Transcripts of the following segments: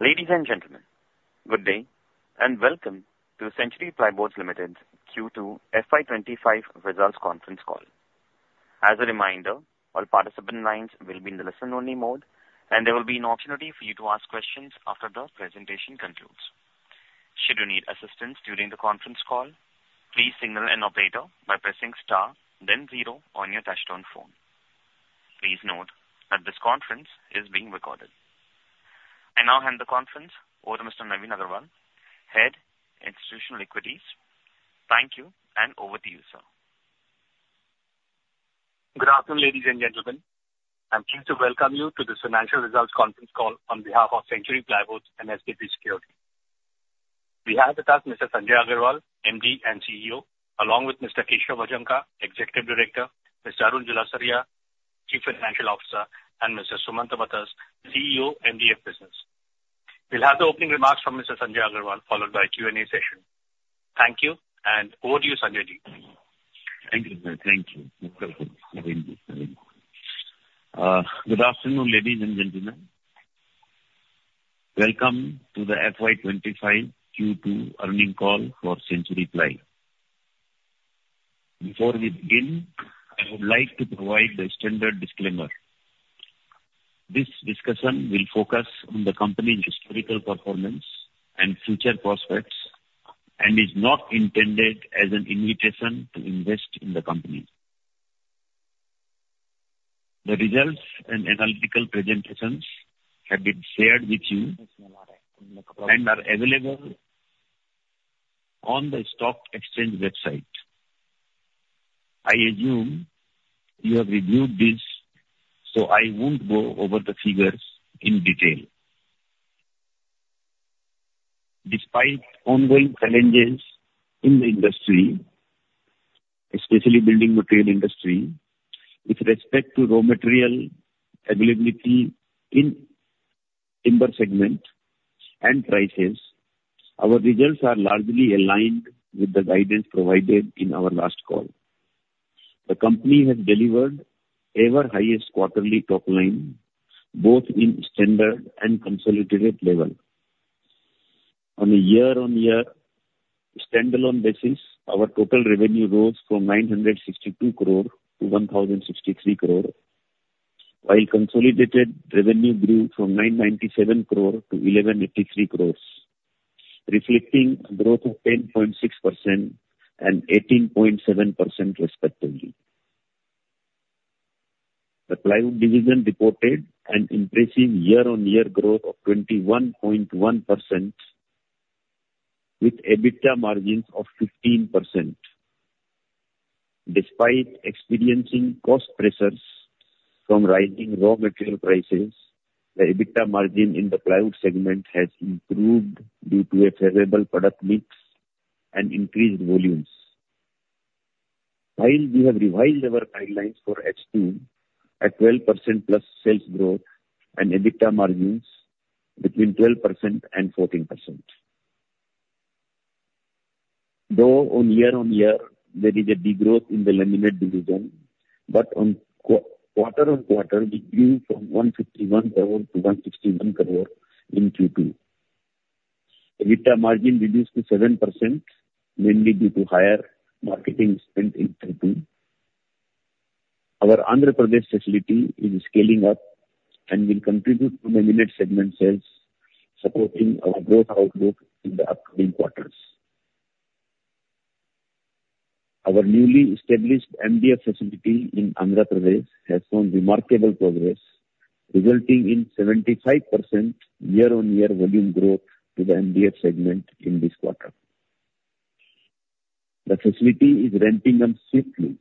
Ladies and gentlemen, good day and welcome to the Century Plyboards Limited Q2 FY25 Results Conference Call. As a reminder, all participant lines will be in the listen-only mode, and there will be an opportunity for you to ask questions after the presentation concludes. Should you need assistance during the conference call, please signal an operator by pressing star, then zero on your touch-tone phone. Please note that this conference is being recorded. I now hand the conference over to Mr. Navin Agrawal, Head of Institutional Equities. Thank you, and over to you, sir. Good afternoon, ladies and gentlemen. I'm pleased to welcome you to this financial results conference call on behalf of Century Plyboards and SKP Securities. We have with us Mr. Sanjay Agarwal, MD and CEO, along with Mr. Keshav Bhajanka, Executive Director, Mr. Arun Julasaria, Chief Financial Officer, and Mr. Sumant Wattas, CEO, MDF Business. We'll have the opening remarks from Mr. Sanjay Agarwal followed by a Q&A session. Thank you, and over to you, Sanjay ji. Thank you, sir. Thank you. Good afternoon, ladies and gentlemen. Welcome to the FY25 Q2 Earnings Call for Century Ply. Before we begin, I would like to provide the standard disclaimer. This discussion will focus on the company's historical performance and future prospects and is not intended as an invitation to invest in the company. The results and analytical presentations have been shared with you and are available on the stock exchange website. I assume you have reviewed these, so I won't go over the figures in detail. Despite ongoing challenges in the industry, especially the building material industry, with respect to raw material availability in the timber segment and prices, our results are largely aligned with the guidance provided in our last call. The company has delivered the all-time highest quarterly top line, both at standalone and consolidated levels. On a year-on-year standalone basis, our total revenue rose from 962 crore to 1,063 crore, while consolidated revenue grew from 997 crore to 1,183 crore, reflecting a growth of 10.6% and 18.7%, respectively. The Plywood division reported an impressive year-on-year growth of 21.1% with EBITDA margins of 15%. Despite experiencing cost pressures from rising raw material prices, the EBITDA margin in the Plywood segment has improved due to a favorable product mix and increased volumes. While we have revised our guidelines for H2 at 12%+ sales growth and EBITDA margins between 12%-14%. Though on year-on-year, there is a degrowth in the laminate division, but on quarter-on-quarter, we grew from 151 crore to 161 crore in Q2. EBITDA margin reduced to 7%, mainly due to higher marketing spend in Q2. Our Andhra Pradesh facility is scaling up and will contribute to laminate segment sales, supporting our growth outlook in the upcoming quarters. Our newly established MDF facility in Andhra Pradesh has shown remarkable progress, resulting in 75% year-on-year volume growth to the MDF segment in this quarter. The facility is ramping up swiftly,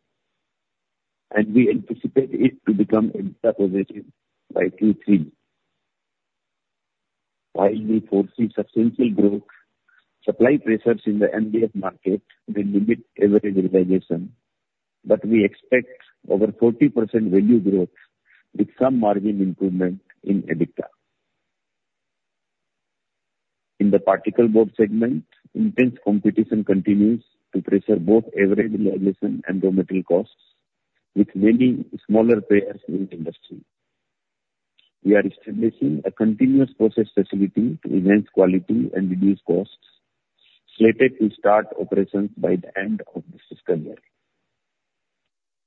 and we anticipate it to become EBITDA positive by Q3. While we foresee substantial growth, supply pressures in the MDF market will limit average realization, but we expect over 40% value growth with some margin improvement in EBITDA. In the particle board segment, intense competition continues to pressure both average realization and raw material costs, with many smaller players in the industry. We are establishing a continuous process facility to enhance quality and reduce costs, slated to start operations by the end of this fiscal year.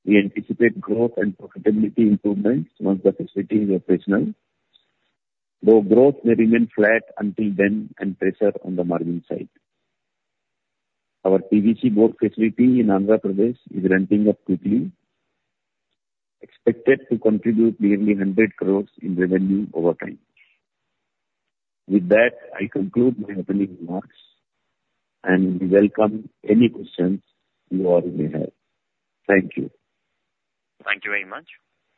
We anticipate growth and profitability improvements once the facility is operational, though growth may remain flat until then and pressure on the margin side. Our PVC board facility in Andhra Pradesh is ramping up quickly, expected to contribute nearly 100 crores in revenue over time. With that, I conclude my opening remarks, and we welcome any questions you or we have. Thank you. Thank you very much.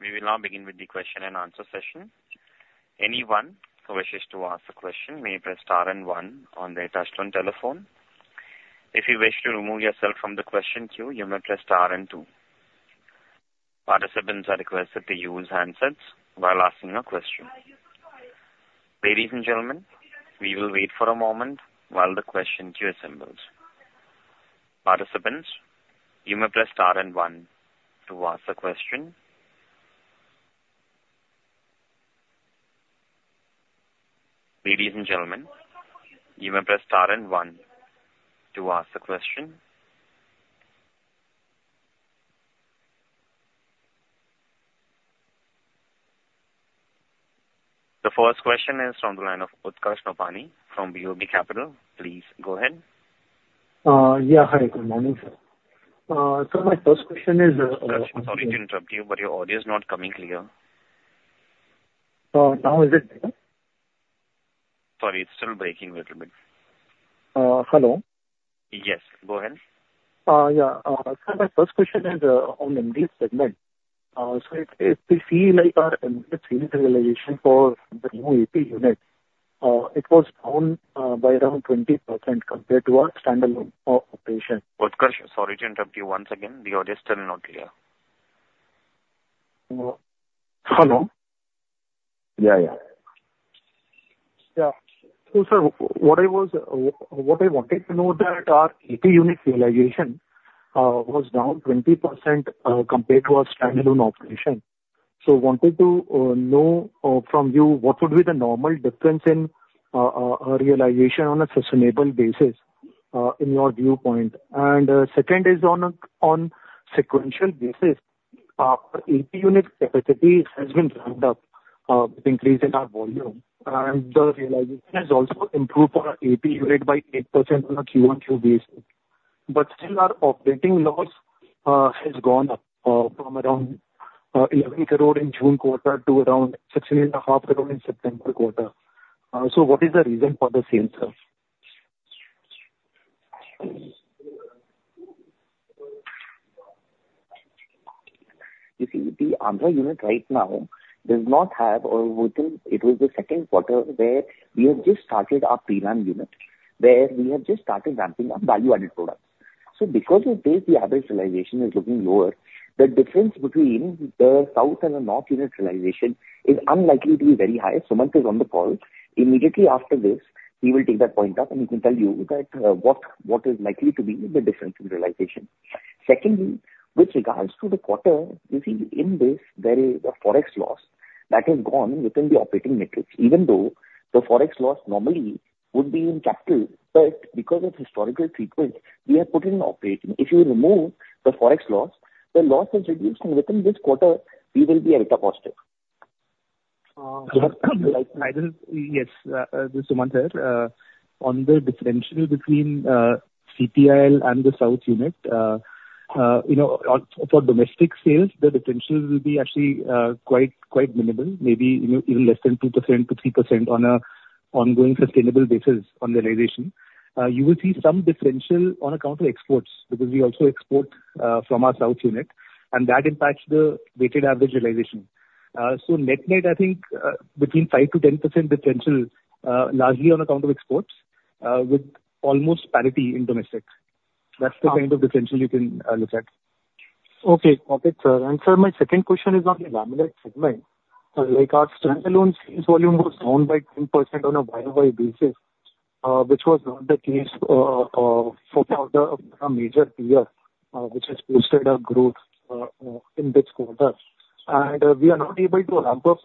We will now begin with the question-and-answer session. Anyone who wishes to ask a question may press star and one on their touch-tone telephone. If you wish to remove yourself from the question queue, you may press star and two. Participants are requested to use handsets while asking a question. Ladies and gentlemen, we will wait for a moment while the question queue assembles. Participants, you may press star and one to ask a question. Ladies and gentlemen, you may press star and one to ask a question. The first question is from the line of Utkarsh Nopany from BOB Capital. Please go ahead. Yeah. Hi. Good morning, sir. So my first question is. Sorry to interrupt you, but your audio is not coming clear. Now is it better? Sorry. It's still breaking a little bit. Hello? Yes. Go ahead. Yeah. So my first question is on MDF segment. So if we see our MDF sales realization for the new AP unit, it was down by around 20% compared to our standalone operation. Utkarsh, sorry to interrupt you once again. The audio is still not clear. Hello? Yeah, yeah. Yeah. So sir, what I wanted to know that our AP unit realization was down 20% compared to our standalone operation. So I wanted to know from you what would be the normal difference in realization on a sustainable basis in your viewpoint. And second is on a sequential basis, our AP unit capacity has been ramped up with increase in our volume. And the realization has also improved for our AP unit by 8% on a Q1, Q2 basis. But still, our operating loss has gone up from around 11 crore in June quarter to around 16.5 crore in September quarter. So what is the reason for the same, sir? You see, the Andhra unit right now does not have. It was the Q2 where we have just started our prelam unit, where we have just started ramping up value-added products. So because of this, the average realization is looking lower. The difference between the south and the north unit realization is unlikely to be very high. Sumant is on the call. Immediately after this, he will take that point up, and he can tell you what is likely to be the difference in realization. Secondly, with regards to the quarter, you see, in this, there is a forex loss that has gone within the operating metrics, even though the forex loss normally would be in capital. But because of historical treatment, we have put it in operating. If you remove the forex loss, the loss has reduced, and within this quarter, we will be EBITDA positive. Yes. Sumant here, on the differential between CPIL and the south unit, for domestic sales, the differential will be actually quite minimal, maybe even less than 2%-3% on an ongoing sustainable basis on realization. You will see some differential on account of exports because we also export from our south unit, and that impacts the weighted average realization. So net net, I think, between 5%-10% differential, largely on account of exports, with almost parity in domestic. That's the kind of differential you can look at. Okay. Got it, sir. And sir, my second question is on the laminate segment. Our standalone sales volume was down by 10% on a year-on-year basis, which was not the case for the major peer, which has boosted our growth in this quarter. And we are not able to ramp up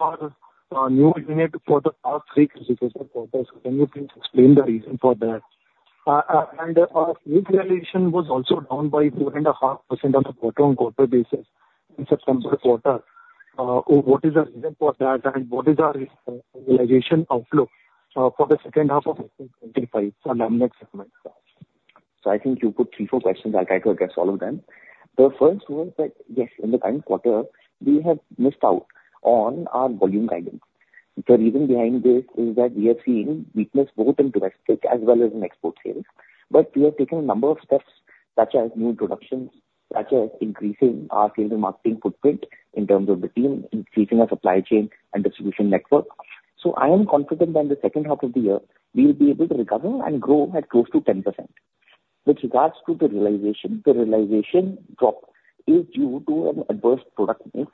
our new unit for the past three consecutive quarters. Can you please explain the reason for that? And our sales realization was also down by 4.5% on a quarter-on-quarter basis in September quarter. What is the reason for that, and what is our realization outlook for the H2 of 2025 for laminate segment? So I think you put three or four questions. I'll try to address all of them. The first was that, yes, in the current quarter, we have missed out on our volume guidance. The reason behind this is that we have seen weakness both in domestic as well as in export sales. But we have taken a number of steps, such as new introductions, such as increasing our sales and marketing footprint in terms of the team, increasing our supply chain and distribution network. So I am confident that in the H2 of the year, we will be able to recover and grow at close to 10%. With regards to the realization, the realization drop is due to an adverse product mix.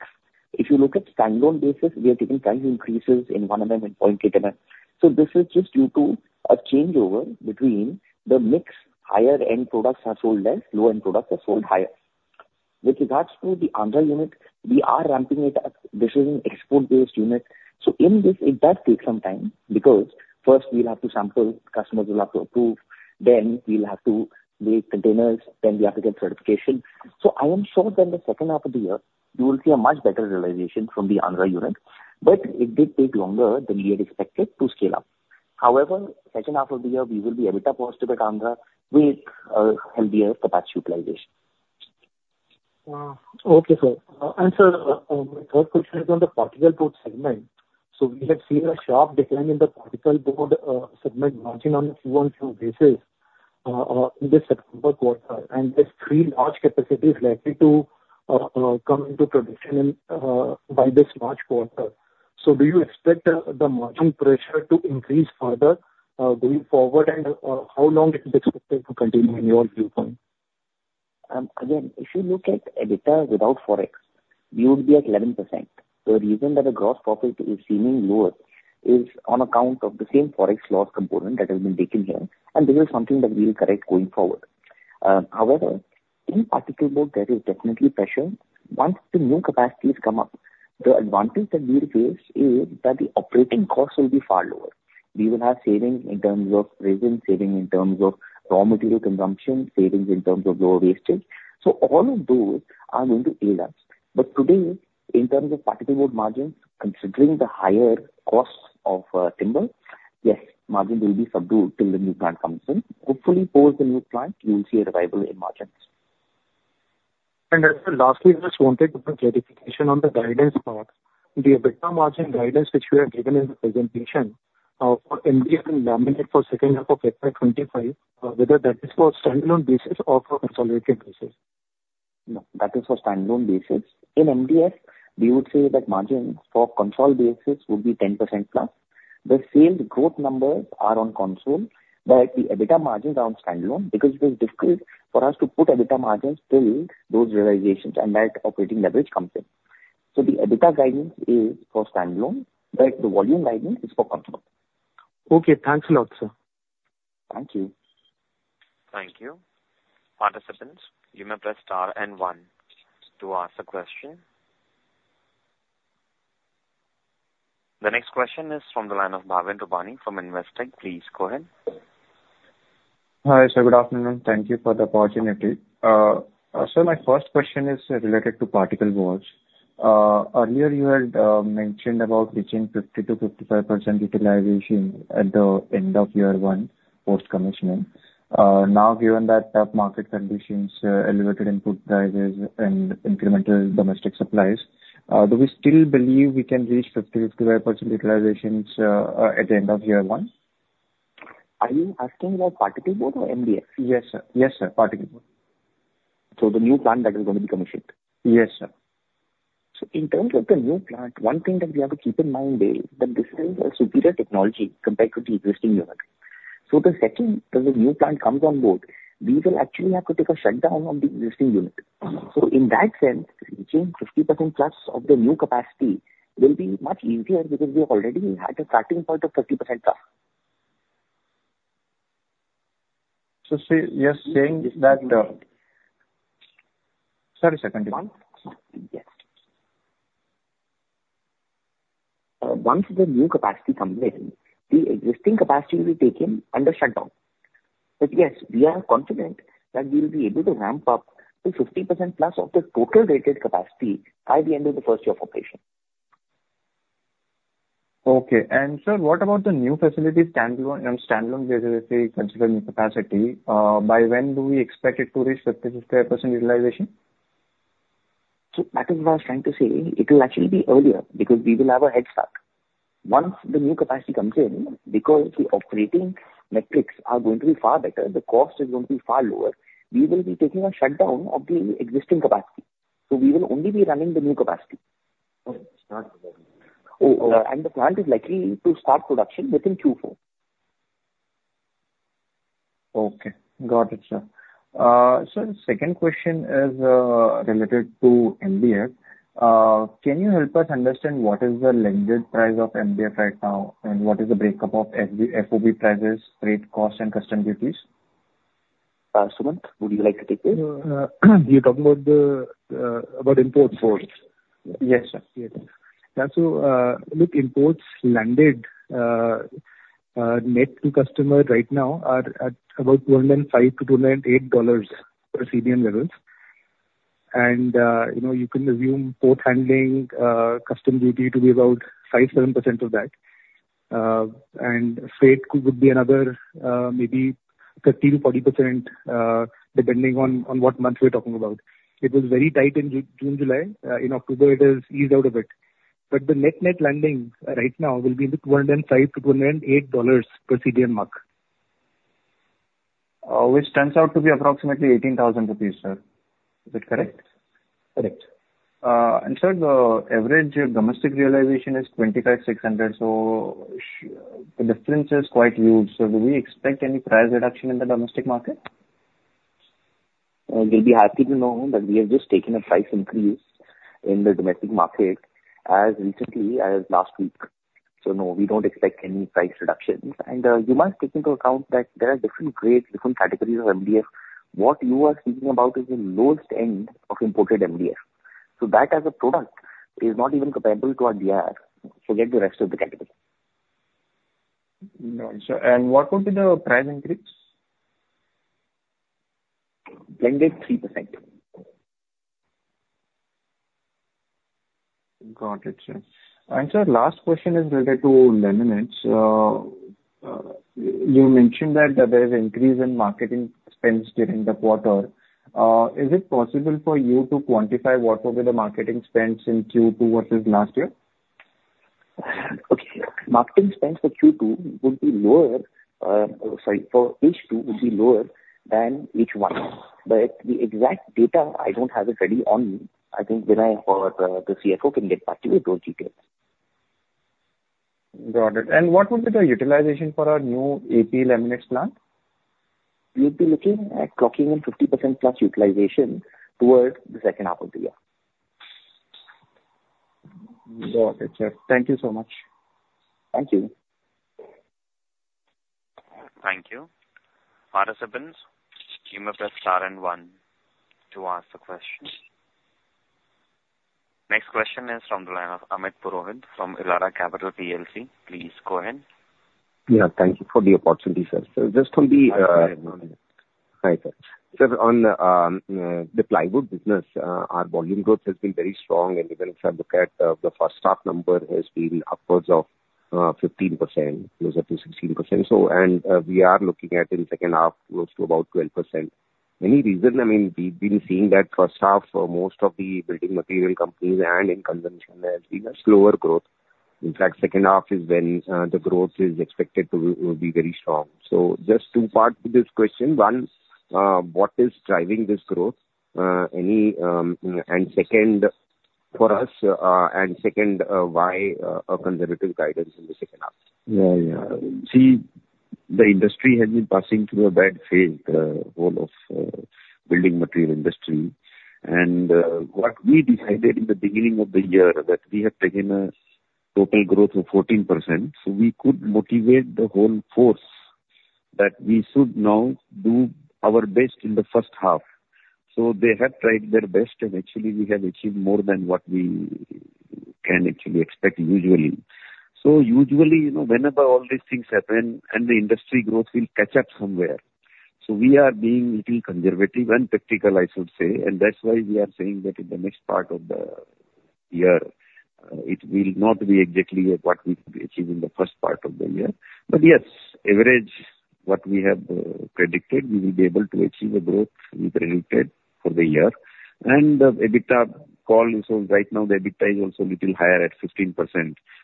If you look at standalone basis, we have taken price increases in 1 mm and 0.8 mm. So this is just due to a changeover between the mix. Higher-end products are sold less, lower-end products are sold higher. With regards to the Andhra unit, we are ramping it up. This is an export-based unit. So in this, it does take some time because, first, we'll have to sample. Customers will have to approve. Then we'll have to await containers. Then we have to get certification. So I am sure that in the H2 of the year, you will see a much better realization from the Andhra unit. But it did take longer than we had expected to scale up. However, H2 of the year, we will be EBITDA positive at Andhra with healthier capacity utilization. Okay, sir. And sir, my third question is on the particle board segment. So we have seen a sharp decline in the particle board segment margin on a Q1, Q2 basis in this September quarter. And there's three large capacities likely to come into production by this March quarter. So do you expect the margin pressure to increase further going forward, and how long is it expected to continue in your viewpoint? Again, if you look at EBITDA without forex, we would be at 11%. The reason that the gross profit is seeming lower is on account of the same forex loss component that has been taken here. And this is something that we will correct going forward. However, in particle board, there is definitely pressure. Once the new capacities come up, the advantage that we'll face is that the operating costs will be far lower. We will have savings in terms of resin savings, in terms of raw material consumption, savings in terms of lower wastage. So all of those are going to aid us. But today, in terms of particle board margins, considering the higher costs of timber, yes, margin will be subdued till the new plant comes in. Hopefully, post the new plant, you will see a revival in margins. Sir, lastly, I just wanted to get clarification on the guidance part. The EBITDA margin guidance which we have given in the presentation for MDF and laminate for the H2 of 2025, whether that is for standalone basis or for consolidated basis? No, that is for standalone basis. In MDF, we would say that margins for consolidated basis would be 10%+. The sales growth numbers are on consol, but the EBITDA margins are on standalone because it is difficult for us to put EBITDA margins till those realizations and that operating leverage comes in. So the EBITDA guidance is for standalone, but the volume guidance is for consol. Okay. Thanks a lot, sir. Thank you. Thank you. Participants, you may press star and one to ask a question. The next question is from the line of Bhavin Rupani from Investec. Please go ahead. Hi, sir. Good afternoon. Thank you for the opportunity. Sir, my first question is related to particle boards. Earlier, you had mentioned about reaching 50%-55% utilization at the end of year one post-commissioning. Now, given that tough market conditions, elevated input prices, and incremental domestic supplies, do we still believe we can reach 50%-55% utilization at the end of year one? Are you asking about particle board or MDF? Yes, sir. Yes, sir. Particle Board. So the new plant that is going to be commissioned? Yes, sir. So in terms of the new plant, one thing that we have to keep in mind is that this is a superior technology compared to the existing unit. So the second, when the new plant comes on board, we will actually have to take a shutdown of the existing unit. So in that sense, reaching 50%+ of the new capacity will be much easier because we already had a starting point of 50%+. So you're saying that, sorry, second. Yes. Once the new capacity comes in, the existing capacity will be taken under shutdown. But yes, we are confident that we will be able to ramp up to 50%+ of the total rated capacity by the end of the first year of operation. Okay. And sir, what about the new facility standalone basis? Considering capacity, by when do we expect it to reach 50%-55% utilization? So that is what I was trying to say. It will actually be earlier because we will have a head start. Once the new capacity comes in, because the operating metrics are going to be far better, the cost is going to be far lower, we will be taking a shutdown of the existing capacity. So we will only be running the new capacity. And the plant is likely to start production within Q4. Okay. Got it, sir. Sir, the second question is related to MDF. Can you help us understand what is the landed price of MDF right now, and what is the breakup of FOB prices, freight costs, and customs duties? Sumant, would you like to take this? You're talking about imports? Imports. Yes, sir. Yeah. So look, imports landed net to customer right now are at about $205-$208 per CBM levels. And you can assume port handling customs duty to be about 5%-7% of that. And freight would be another maybe 30%-40%, depending on what month we're talking about. It was very tight in June, July. In October, it has eased out a bit. But the net net landing right now will be in the $205-$208 per CBM mark. Which turns out to be approximately 18,000 rupees, sir. Is it correct? Correct. Sir, the average domestic realization is 25,600. The difference is quite huge. Do we expect any price reduction in the domestic market? You'll be happy to know that we have just taken a price increase in the domestic market as recently as last week. So no, we don't expect any price reductions. And you must take into account that there are different grades, different categories of MDF. What you are speaking about is the lowest end of imported MDF. So that, as a product, is not even comparable to our DR. Forget the rest of the category. What would be the price increase? Blended 3%. Got it, sir. And sir, last question is related to laminates. You mentioned that there is an increase in marketing spends during the quarter. Is it possible for you to quantify what will be the marketing spends in Q2 versus last year? Okay. Marketing spends for Q2 would be lower, sorry, for H2 would be lower than H1. But the exact data, I don't have it ready on me. I think Vinay, or the CFO can get back to you with those details. Got it. And what would be the utilization for our new AP laminates plant? We'll be looking at clocking in 50%+ utilization towards the H2 of the year. Got it, sir. Thank you so much. Thank you. Thank you. Participants, you may press star and one to ask a question. Next question is from the line of Amit Purohit from Elara Capital. Please go ahead. Yeah. Thank you for the opportunity, sir. So just on the... Hi, sir. Sir, on the plywood business, our volume growth has been very strong. Even if I look at the H1 number, it has been upwards of 15%, closer to 16%. We are looking at in the H2, close to about 12%. Any reason? I mean, we've been seeing that H1, most of the building material companies and conventionally has been a slower growth. In fact, H2 is when the growth is expected to be very strong. So just two parts to this question. One, what is driving this growth? Second, for us, why a conservative guidance in the H2? Yeah, yeah. See, the industry has been passing through a bad phase, the whole of the building material industry. And what we decided in the beginning of the year that we have taken a total growth of 14%, so we could motivate the whole force that we should now do our best in the H1. So they have tried their best, and actually, we have achieved more than what we can actually expect usually. So usually, whenever all these things happen, the industry growth will catch up somewhere. So we are being a little conservative and practical, I should say. And that's why we are saying that in the next part of the year, it will not be exactly what we achieved in the first part of the year. But yes, average, what we have predicted, we will be able to achieve a growth we predicted for the year. And the EBITDA call is right now, the EBITDA is also a little higher at 15%.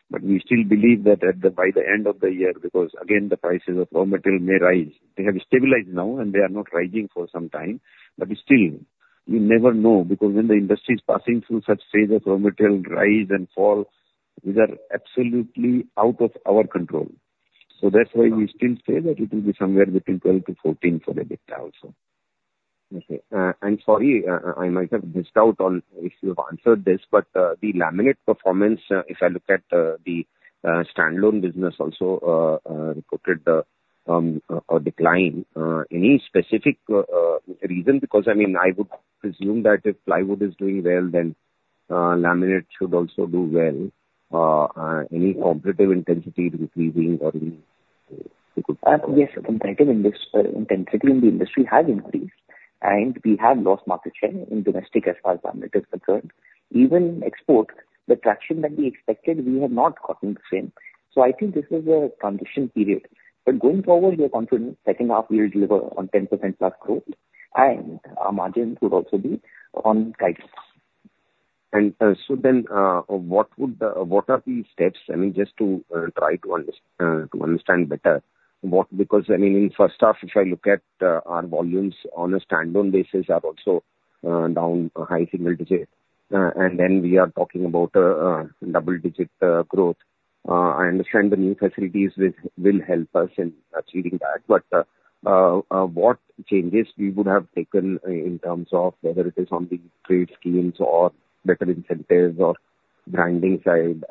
But we still believe that by the end of the year, because again, the prices of raw material may rise. They have stabilized now, and they are not rising for some time. But still, you never know because when the industry is passing through such phases of raw material rise and fall, these are absolutely out of our control. So that's why we still say that it will be somewhere between 12%-14% for EBITDA also. Okay. And sorry, I might have missed out on if you have answered this, but the laminate performance, if I look at the standalone business, also reported a decline. Any specific reason? Because, I mean, I would presume that if plywood is doing well, then laminate should also do well. Any competitive intensity increasing or any? Yes, competitive intensity in the industry has increased. And we have lost market share in domestic as far as laminate is concerned. Even export, the traction that we expected, we have not gotten the same. So I think this is a transition period. But going forward, we are confident H2, we will deliver on 10%+ growth. And our margins would also be on guidance. And so then, what are the steps? I mean, just to try to understand better what, because, I mean, in H1, if I look at our volumes on a standalone basis, they are also down a high single-digit. And then we are talking about a double-digit growth. I understand the new facilities will help us in achieving that. But what changes we would have taken in terms of whether it is on the trade schemes or better incentives or branding side?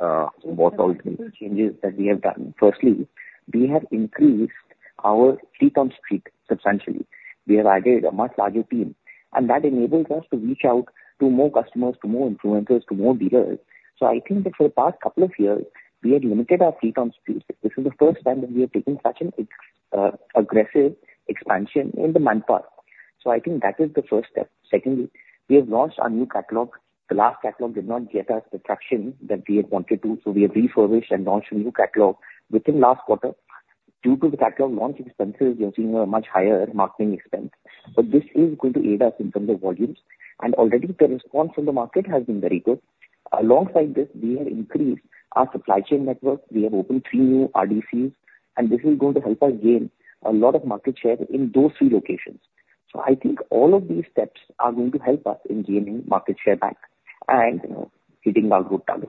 What are the changes that we have done? Firstly, we have increased our feet-on-street substantially. We have added a much larger team. And that enables us to reach out to more customers, to more influencers, to more dealers. So I think that for the past couple of years, we had limited our feet-on-street. This is the first time that we are taking such an aggressive expansion in the manpower. So I think that is the first step. Secondly, we have launched our new catalog. The last catalog did not get us the traction that we had wanted to. So we have refurbished and launched a new catalog within the last quarter. Due to the catalog launch expenses, we have seen a much higher marketing expense. But this is going to aid us in terms of volumes. And already, the response from the market has been very good. Alongside this, we have increased our supply chain network. We have opened three new RDCs. And this is going to help us gain a lot of market share in those three locations. So I think all of these steps are going to help us in gaining market share back and hitting our growth target.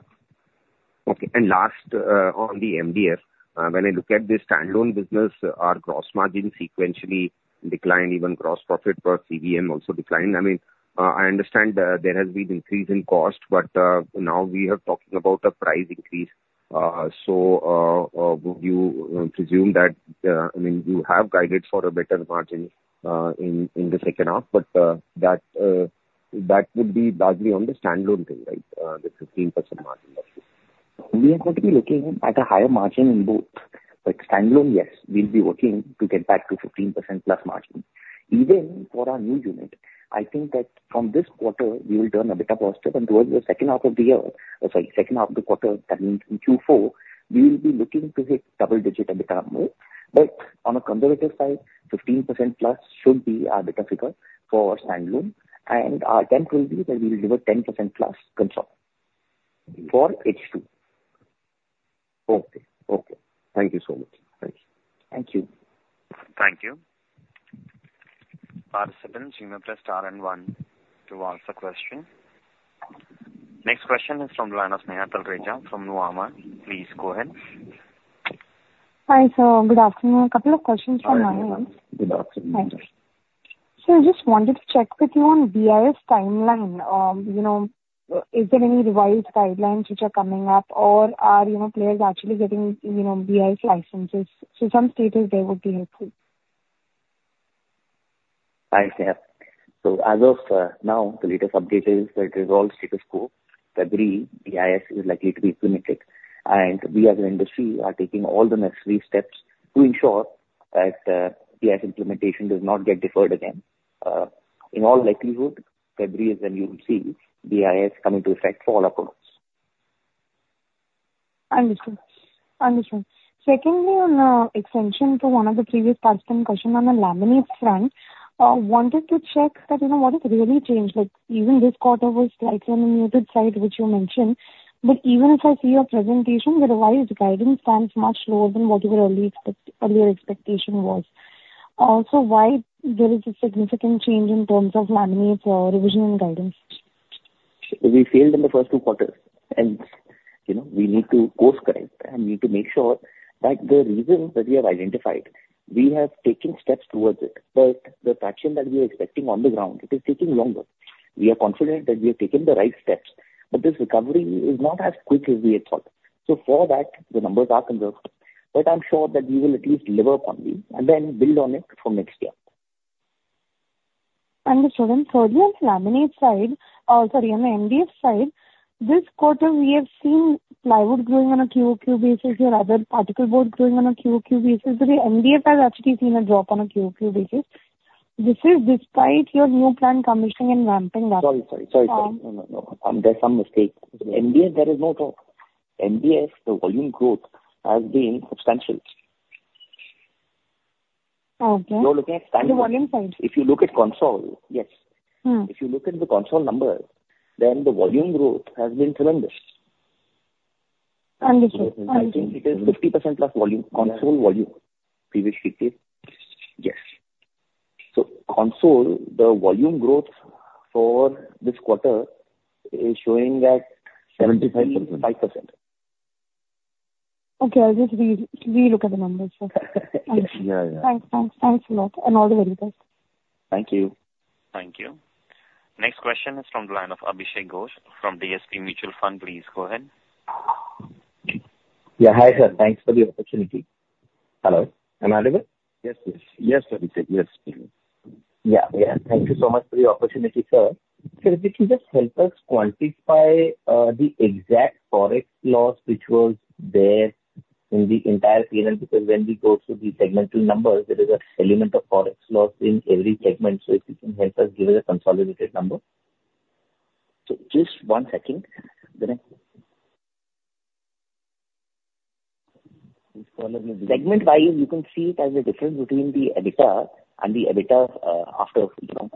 Okay. Last on the MDF, when I look at the standalone business, our gross margin sequentially declined, even gross profit per CBM also declined. I mean, I understand there has been an increase in cost, but now we are talking about a price increase. So would you presume that, I mean, you have guided for a better margin in the H2? But that would be largely on the standalone thing, right? The 15% margin level. We are going to be looking at a higher margin in both. But standalone, yes, we'll be working to get back to 15%+margin. Even for our new unit, I think that from this quarter, we will turn EBITDA positive. And towards the H2 of the year, sorry, H2of the quarter, that means in Q4, we will be looking to hit double-digit a bit more. But on a conservative side, 15%+ should be EBIDTA figure for standalone. And our attempt will be that we will deliver 10%+ consol for H2. Okay. Okay. Thank you so much. Thanks. Thank you. Thank you. Participants, you may press star and one to ask a question. Next question is from the line of Sneha Talreja from Nuvama. Please go ahead. Hi. So, good afternoon. A couple of questions from my end. Good afternoon. Sir, I just wanted to check with you on BIS timeline. Is there any revised guidelines which are coming up, or are players actually getting BIS licenses? So some status, that would be helpful. Thanks, Sneha. So as of now, the latest update is that it is all status quo. February, BIS is likely to be implemented. And we as an industry are taking all the necessary steps to ensure that BIS implementation does not get deferred again. In all likelihood, February is when you will see BIS coming to effect for all of us. Understood. Understood. Secondly, on the extension to one of the previous participant questions on the laminate front, I wanted to check that what has really changed. Even this quarter was slightly on the muted side, which you mentioned. But even if I see your presentation, the revised guidance stands much lower than what your earlier expectation was. So why there is a significant change in terms of laminate revision and guidance? We failed in the first two quarters, and we need to course-correct and need to make sure that the reasons that we have identified, we have taken steps towards it, but the traction that we are expecting on the ground, it is taking longer. We are confident that we have taken the right steps, but this recovery is not as quick as we had thought, so for that, the numbers are conservative, but I'm sure that we will at least live up on these and then build on it for next year. Understood. And thirdly, on the laminate side, sorry, on the MDF side, this quarter, we have seen plywood growing on a QOQ basis or other particle board growing on a QOQ basis. But the MDF has actually seen a drop on a QOQ basis. This is despite your new plant commissioning and ramping up. Sorry, sorry, sorry. No, no, no. There's some mistake. MDF, there is no drop. MDF, the volume growth has been substantial. Okay. You're looking at standalone. On the volume side? If you look at consol, yes. If you look at the consol number, then the volume growth has been tremendous. Understood. I think it is 50%+ volume. Consolidated volume. Previous figure. Yes. So consolidated, the volume growth for this quarter is showing at 75%. Okay. I'll just relook at the numbers. Thanks. Thanks a lot, and all the very best. Thank you. Thank you. Next question is from the line of Abhishek Ghosh from DSP Mutual Fund. Please go ahead. Yeah. Hi, sir. Thanks for the opportunity. Hello. Am I able? Yes, yes. Yes, Abhishek. Yes. Thank you so much for the opportunity, sir. Sir, if you can just help us quantify the exact forex loss which was there in the entire period. Because when we go through the segmental numbers, there is an element of forex loss in every segment. So if you can help us give us a consolidated number. So just one second. Segment-wise, you can see it as a difference between the EBITDA and the EBITDA after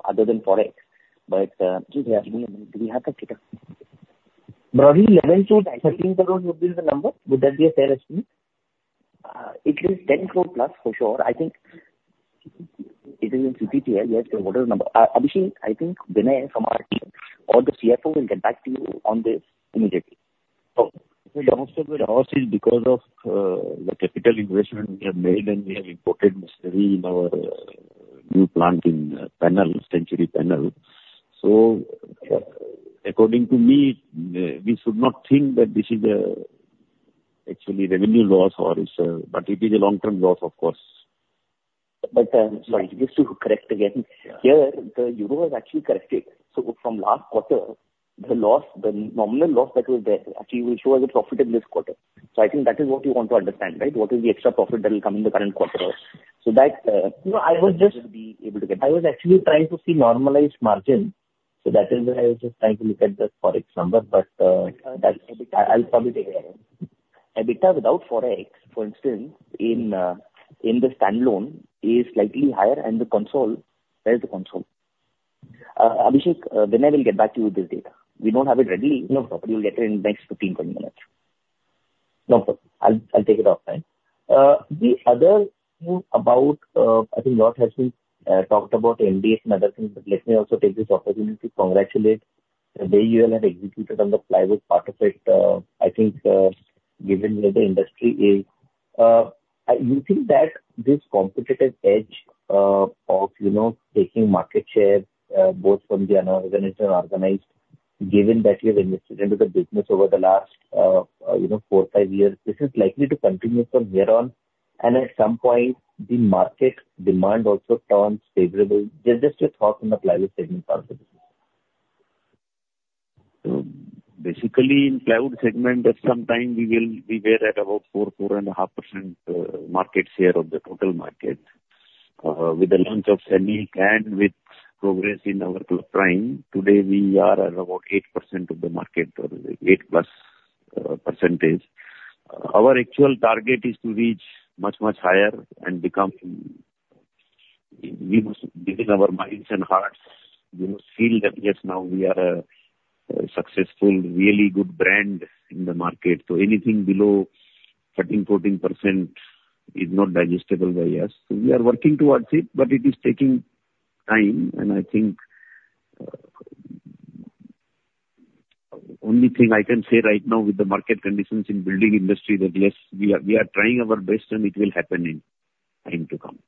other than forex. But do we have that data? INR 11 crore-INR 13 crore would be the number. Would that be a fair estimate? It is 10 crore plus for sure. I think it is in CTTL. Yes, the other number. Abhishek, I think Vinay from our team or the CFO will get back to you on this immediately. The most of the loss is because of the capital investment we have made, and we have imported mostly in our new plant in Panel, Century Panels. So according to me, we should not think that this is actually revenue loss or it's a, but it is a long-term loss, of course. But sorry, just to correct again. Here, the euro has actually corrected. So from last quarter, the loss, the nominal loss that was there, actually will show as a profit in this quarter. So I think that is what you want to understand, right? What is the extra profit that will come in the current quarter? So that. No, I was just. You will be able to get. I was actually trying to see normalized margin. So that is why I was just trying to look at the forex number. But I'll probably take it away. EBITDA without forex, for instance, in the standalone is slightly higher and the consolidated. Where is the consolidated? Abhishek, Vinay will get back to you with this data. We don't have it ready. We'll get it in the next 15, 20 minutes. No, sir. I'll take it offline. The other thing about, I think a lot has been talked about MDF and other things, but let me also take this opportunity to congratulate the way you all have executed on the plywood part of it. I think given where the industry is, you think that this competitive edge of taking market share both from the organized and unorganized, given that you have invested into the business over the last four, five years, this is likely to continue from here on? And at some point, the market demand also turns favorable? Just your thoughts on the plywood segment part of the business. So basically, in plywood segment, at some time, we were at about 4-4.5% market share of the total market. With the launch of Sainik and with progress in our pipeline, today we are at about 8% of the market, or 8%+. Our actual target is to reach much, much higher and become, within our minds and hearts, we must feel that yes, now we are a successful, really good brand in the market. So anything below 13%-14% is not digestible by us. So we are working towards it, but it is taking time. I think the only thing I can say right now with the market conditions in the building industry is that yes, we are trying our best, and it will happen in time to come.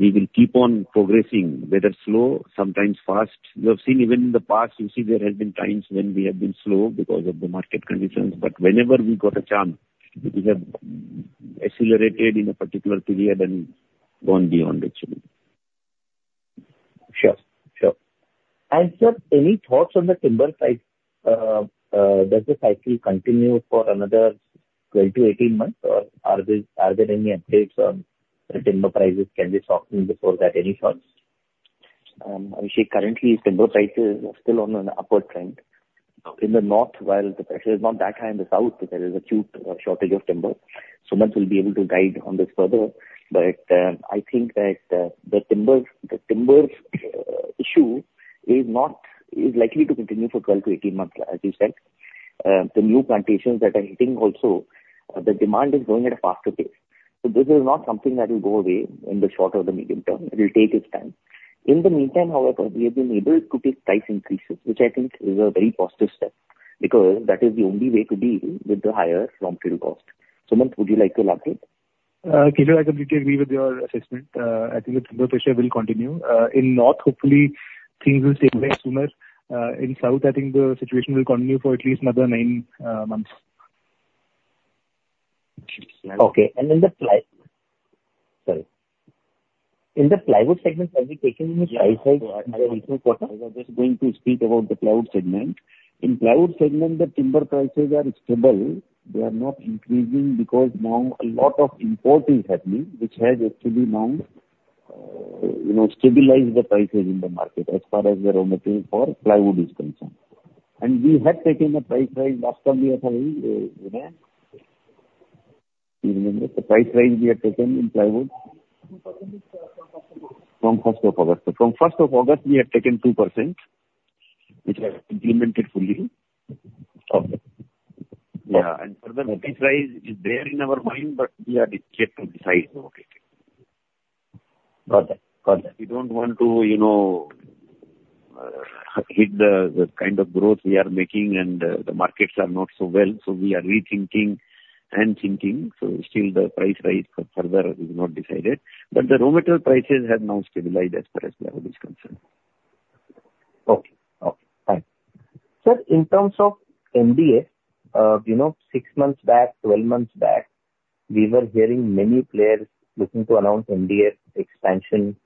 We will keep on progressing, whether slow, sometimes fast. You have seen even in the past, you see there have been times when we have been slow because of the market conditions. But whenever we got a chance, we have accelerated in a particular period and gone beyond, actually. Sure. Sure. And sir, any thoughts on the timber price? Does the cycle continue for another 12 to 18 months, or are there any updates on the timber prices? Can we talk before that, any thoughts? Abhishek, currently, timber prices are still on an upward trend. In the north, while the pressure is not that high in the south, there is acute shortage of timber. Sumant will be able to guide on this further. But I think that the timber issue is likely to continue for 12 to 18 months, as you said. The new plantations that are hitting also, the demand is going at a faster pace. So this is not something that will go away in the short or the medium term. It will take its time. In the meantime, however, we have been able to take price increases, which I think is a very positive step because that is the only way to deal with the higher raw material cost. Sumant, would you like to elaborate? K, I completely agree with your assessment. I think the timber pressure will continue. In North, hopefully, things will stabilize sooner. In South, I think the situation will continue for at least another nine months. Okay. And in the plywood, sorry. In the plywood segment, have we taken any price hike in the recent quarter? I was just going to speak about the plywood segment. In plywood segment, the timber prices are stable. They are not increasing because now a lot of imports are happening, which has actually now stabilized the prices in the market as far as the raw material for plywood is concerned. We had taken a price rise last time we had. Do you remember? The price rise we had taken in plywood? From 1st of August. From 1st of August, we had taken 2%, which has implemented fully. Yeah. And further, the price rise is there in our mind, but we are yet to decide about it. Got it. Got it. We don't want to hit the kind of growth we are making, and the markets are not so well. So we are rethinking and thinking. So still, the price rise further is not decided. But the raw material prices have now stabilized as far as plywood is concerned. Okay. Okay. Fine. Sir, in terms of MDF, six months back, 12 months back, we were hearing many players looking to announce MDF expansion.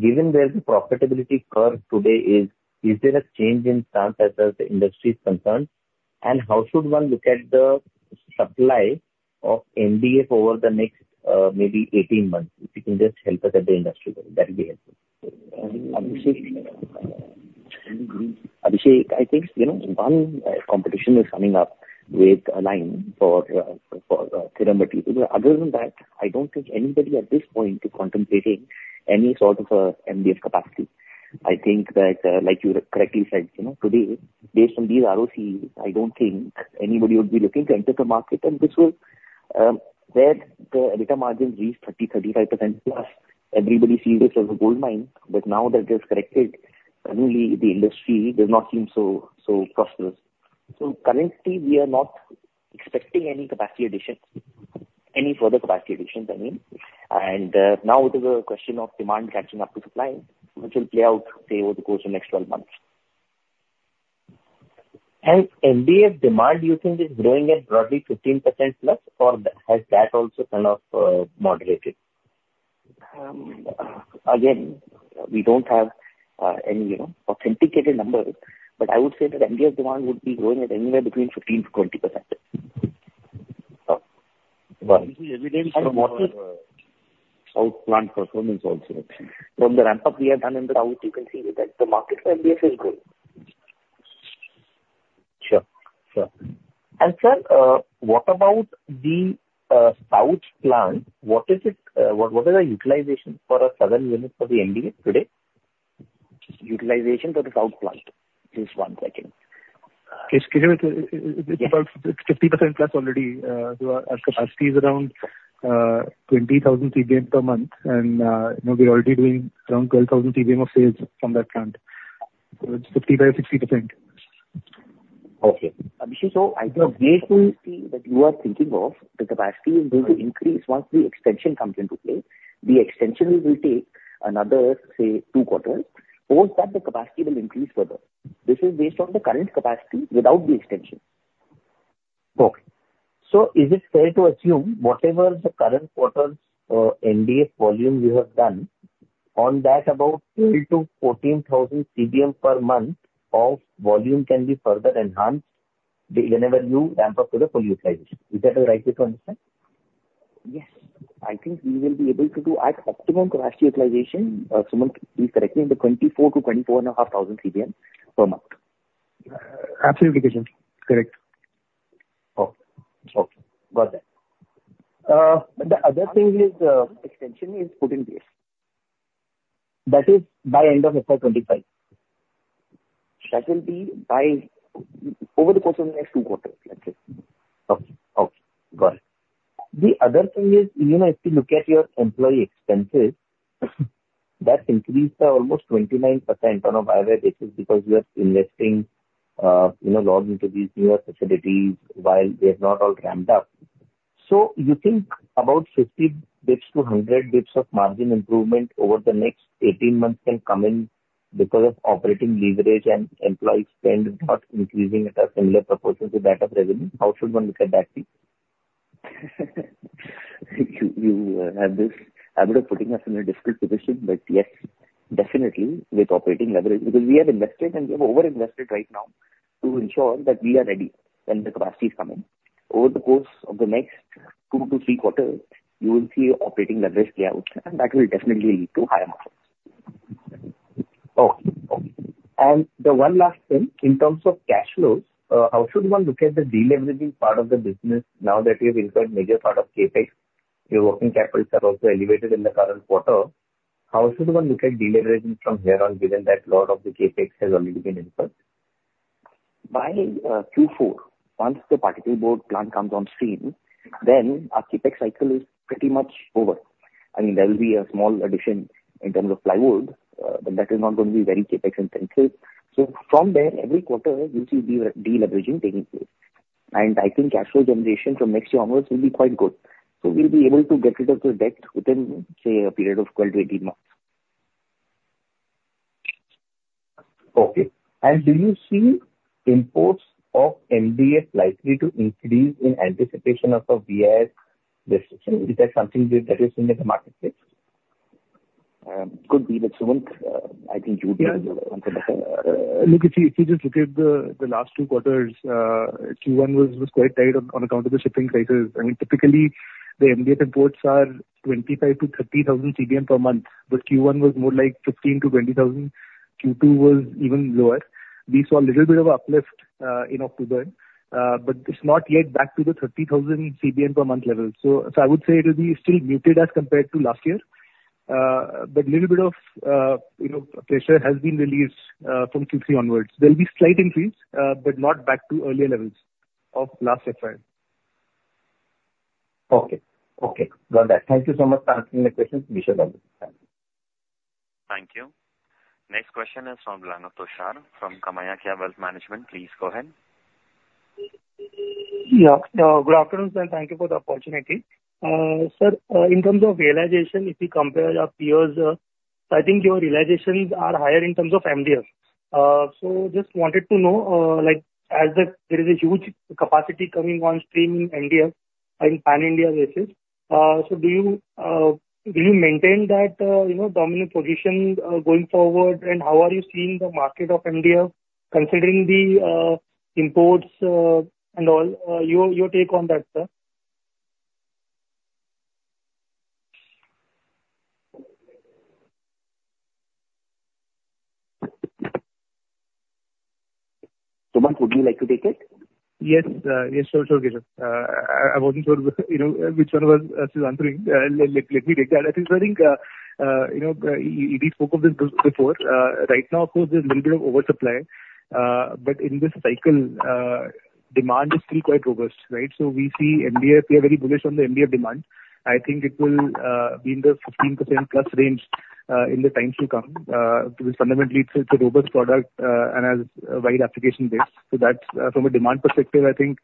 Given where the profitability curve today is, is there a change in stance as far as the industry is concerned? And how should one look at the supply of MDF over the next maybe 18 months? If you can just help us at the industry level, that would be helpful. Abhishek, I think one competition is coming up with a line for thinner material.. Other than that, I don't think anybody at this point is contemplating any sort of MDF capacity. I think that, like you correctly said, today, based on these ROCEs, I don't think anybody would be looking to enter the market. This was where the EBITDA margin reached 30%-35%+. Everybody sees it as a gold mine. Now that it has corrected, suddenly the industry does not seem so prosperous. Currently, we are not expecting any capacity additions, any further capacity additions, I mean. Now it is a question of demand catching up to supply, which will play out, say, over the course of the next 12 months. Has MDF demand, you think, is growing at roughly 15%+, or has that also kind of moderated? Again, we don't have any authenticated numbers, but I would say that MDF demand would be growing at anywhere between 15%-20%. Got it. This is evidence of our South plant performance also. From the ramp-up we have done in the south, you can see that the market for MDF is growing. Sure. Sure. And sir, what about the South plant? What is the utilization for a Southern unit for the MDF today? Utilization for the south plant is 1%. Okay. Excuse me. It's about 50%+ already. Our capacity is around 20,000 CBM per month, and we're already doing around 12,000 CBM of sales from that plant. So it's 55%-60%. Okay. Abhishek, so I just want to see that you are thinking of the capacity is going to increase once the extension comes into play. The extension will take another, say, two quarters. Post that, the capacity will increase further. This is based on the current capacity without the extension. Okay. So is it fair to assume whatever the current quarter's MDF volume we have done, on that about 12,000-14,000 CBM per month of volume can be further enhanced whenever you ramp up to the full utilization? Is that the right way to understand? Yes. I think we will be able to do at optimum capacity utilization. Sumant, please correct me, in the 24-24.5 thousand CBM per month. Absolutely, Keshav. Correct. Okay. Got it. But the other thing is extension is put in place. That is by end of FY25. That will be by over the course of the next two quarters, let's say. Okay. Got it. The other thing is, even if you look at your employee expenses, that's increased by almost 29% on a year-on-year basis because you are investing a lot into these newer facilities while they're not all ramped up. So you think about 50-100 basis points of margin improvement over the next 18 months can come in because of operating leverage and employee spend not increasing at a similar proportion to that of revenue? How should one look at that? You have this. I would have put you in a difficult position, but yes, definitely with operating leverage. Because we have invested and we have over-invested right now to ensure that we are ready when the capacity is coming. Over the course of the next two to three quarters, you will see operating leverage play out, and that will definitely lead to higher margins. And the one last thing, in terms of cash flows, how should one look at the deleveraging part of the business now that we have incurred a major part of CapEx? Your working capitals are also elevated in the current quarter. How should one look at deleveraging from here on given that a lot of the CapEx has already been incurred? By Q4, once the particle board plant comes on stream, then our CapEx cycle is pretty much over. I mean, there will be a small addition in terms of plywood, but that is not going to be very CapEx intensive, so from there, every quarter, you see deleveraging taking place, and I think cash flow generation from next year onwards will be quite good, so we'll be able to get rid of the debt within, say, a period of 12-18 months. Okay. Do you see imports of MDF likely to increase in anticipation of a BIS restriction? Is that something that is in the marketplace? Could be, but Sumant, I think you would be able to answer better. Look, if you just look at the last two quarters, Q1 was quite tight on account of the shipping crisis. I mean, typically, the MDF imports are 25,000-30,000 CBM per month. But Q1 was more like 15,000-20,000. Q2 was even lower. We saw a little bit of uplift in October, but it's not yet back to the 30,000 CBM per month level. So I would say it will be still muted as compared to last year, but a little bit of pressure has been released from Q3 onwards. There will be a slight increase, but not back to earlier levels of last FY. Okay. Okay. Got that. Thank you so much for answering the questions. Moving on to this. Thank you. Thank you. Next question is from line of Tushar from KamayaKya Wealth Management. Please go ahead. Yeah. Good afternoon, sir. Thank you for the opportunity. Sir, in terms of realization, if you compare your peers, I think your realizations are higher in terms of MDF. So just wanted to know, as there is a huge capacity coming on stream in MDF on a pan-India basis, so will you maintain that dominant position going forward? And how are you seeing the market of MDF considering the imports and all? Your take on that, sir. Sumant, would you like to take it? Yes. Yes. Sure. Sure, Keshav. I wasn't sure which one was answering. Let me take that. I think, I think we spoke of this before. Right now, of course, there's a little bit of oversupply, but in this cycle, demand is still quite robust, right, so we see MDF, we are very bullish on the MDF demand. I think it will be in the 15%+ range in the time to come. Fundamentally, it's a robust product and has a wide application base, so from a demand perspective, I think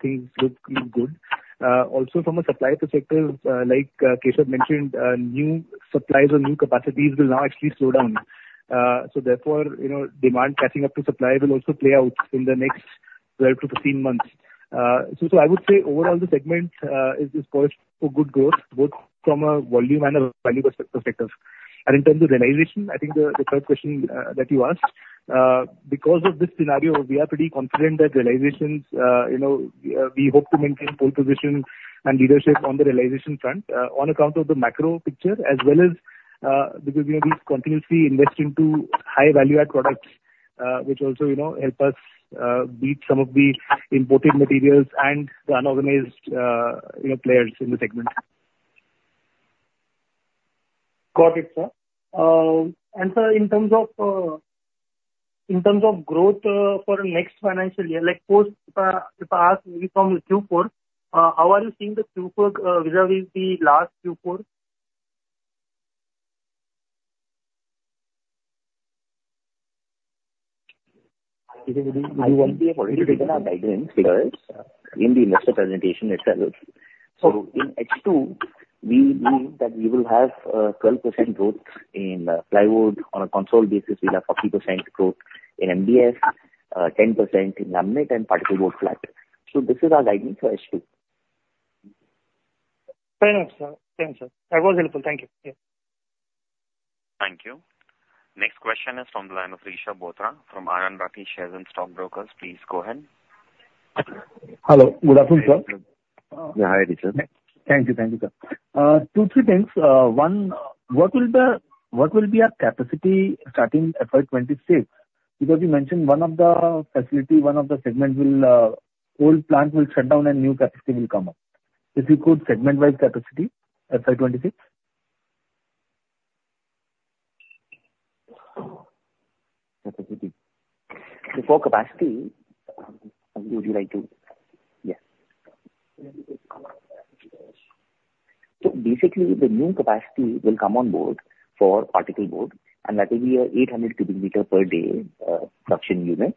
things look good. Also, from a supply perspective, like Keshav mentioned, new supplies or new capacities will now actually slow down, so therefore, demand catching up to supply will also play out in the next 12-15 months, so I would say overall, the segment is poised for good growth, both from a volume and a value perspective. And in terms of realization, I think the third question that you asked, because of this scenario, we are pretty confident that realizations, we hope to maintain pole position and leadership on the realization front on account of the macro picture, as well as because we continuously invest into high-value-add products, which also help us beat some of the imported materials and the unorganized players in the segment. Got it, sir. And sir, in terms of growth for the next financial year, if I ask maybe from the Q4, how are you seeing the Q4 vis-à-vis the last Q4? You want me to already take a guideline first in the investor presentation itself. So in Q2, we believe that we will have 12% growth in plywood. On a consol basis, we'll have 40% growth in MDF, 10% in laminate, and particle board flat. So this is our guideline for 2. Fair enough, sir. Fair enough, sir. That was helpful. Thank you. Yeah. Thank you. Next question is from Rishab Bothra from Anand Rathi Shares and Stock Brokers. Please go ahead. Hello. Good afternoon, sir. Yeah. Hi, Rishab. Thank you. Thank you, sir. Two, three things. One, what will be our capacity starting FY26? Because you mentioned one of the facilities, one of the segments' old plant will shut down and new capacity will come up. If you could segment-wise capacity FY26? Capacity. Before capacity, would you like to? Yes. So basically, the new capacity will come on board for particle board, and that will be a 800 cubic meter per day production unit.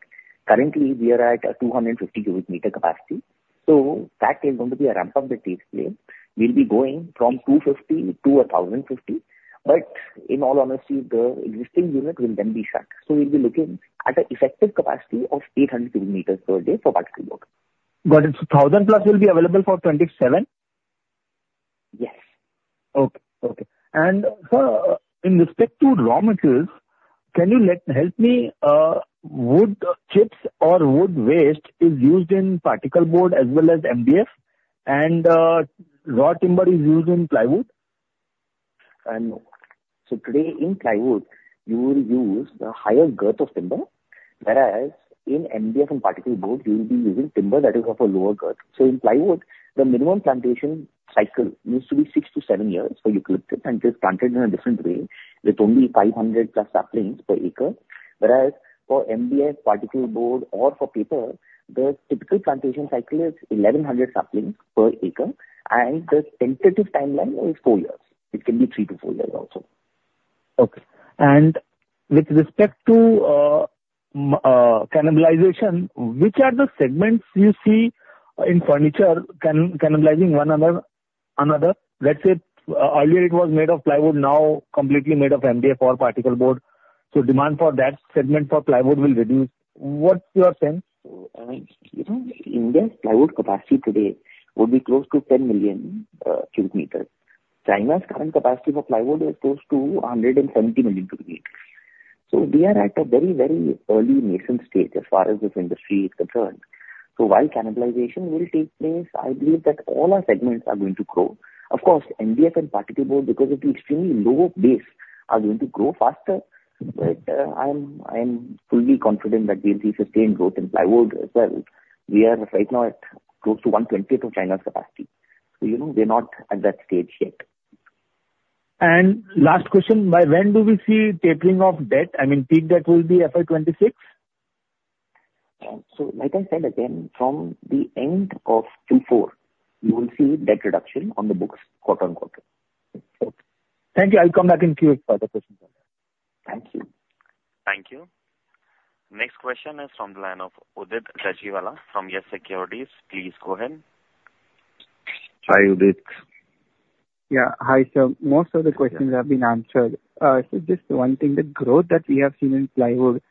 Currently, we are at a 250 cubic meter capacity. So that is going to be a ramp-up that takes place. We'll be going from 250 to 1,050. But in all honesty, the existing unit will then be shut. So we'll be looking at an effective capacity of 800 cubic meters per day for particle board. Got it. So 1,000 plus will be available for 27? Yes. Okay. Sir, in respect to raw materials, can you help me? Wood chips or wood waste is used in particle board as well as MDF, and raw timber is used in plywood? So today, in plywood, you will use a higher girth of timber, whereas in MDF and particle board, you will be using timber that is of a lower girth. So in plywood, the minimum plantation cycle needs to be six to seven years for eucalyptus, and it is planted in a different way with only 500 plus saplings per acre. Whereas for MDF, particle board, or for paper, the typical plantation cycle is 1,100 saplings per acre, and the tentative timeline is four years. It can be three to four years also. Okay. And with respect to cannibalization, which are the segments you see in furniture cannibalizing one another? Let's say earlier it was made of plywood, now completely made of MDF or particle board. So demand for that segment for plywood will reduce. What's your sense? So in India, plywood capacity today would be close to 10 million cubic meters. China's current capacity for plywood is close to 170 million cubic meters. So we are at a very, very early nascent stage as far as this industry is concerned. So while cannibalization will take place, I believe that all our segments are going to grow. Of course, MDF and particle board, because of the extremely low base, are going to grow faster. But I am fully confident that we'll see sustained growth in plywood as well. We are right now at close to 1/20th of China's capacity. So we're not at that stage yet. Last question, by when do we see tapering of debt? I mean, peak debt will be FY26? Like I said, again, from the end of Q4, you will see debt reduction on the books quarter-on-quarter. Okay. Thank you. I'll come back in Q8 for the questions. Thank you. Thank you. Next question is from Udit Gajiwala from Yes Securities. Please go ahead. Hi, Udit. Yeah. Hi, sir. Most of the questions have been answered. So just one thing, the growth that we have seen in plywood,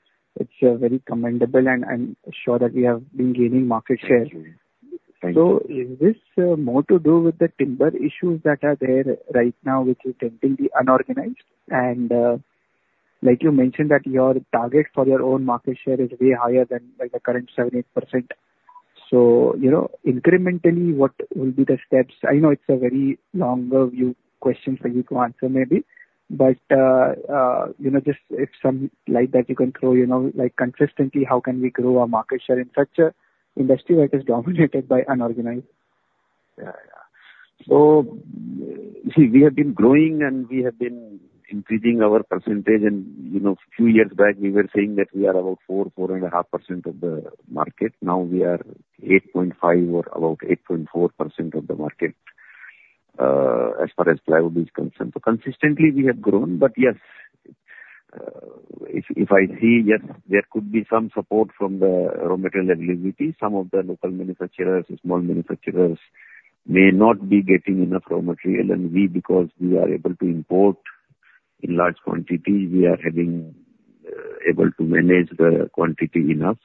it's very commendable, and I'm sure that we have been gaining market share. So is this more to do with the timber issues that are there right now, which is tempting the unorganized? And like you mentioned, that your target for your own market share is way higher than the current 7%, 8%. So incrementally, what will be the steps? I know it's a very longer view question for you to answer maybe, but just if some light that you can throw, like consistently, how can we grow our market share in such an industry that is dominated by unorganized? Yeah. Yeah. So see, we have been growing, and we have been increasing our percentage. A few years back, we were saying that we are about 4%-4.5% of the market. Now we are 8.5% or about 8.4% of the market as far as plywood is concerned. So consistently, we have grown. Yes, if I see, there could be some support from the raw material availability. Some of the local manufacturers, small manufacturers may not be getting enough raw material. We, because we are able to import in large quantities, are able to manage the quantity enough.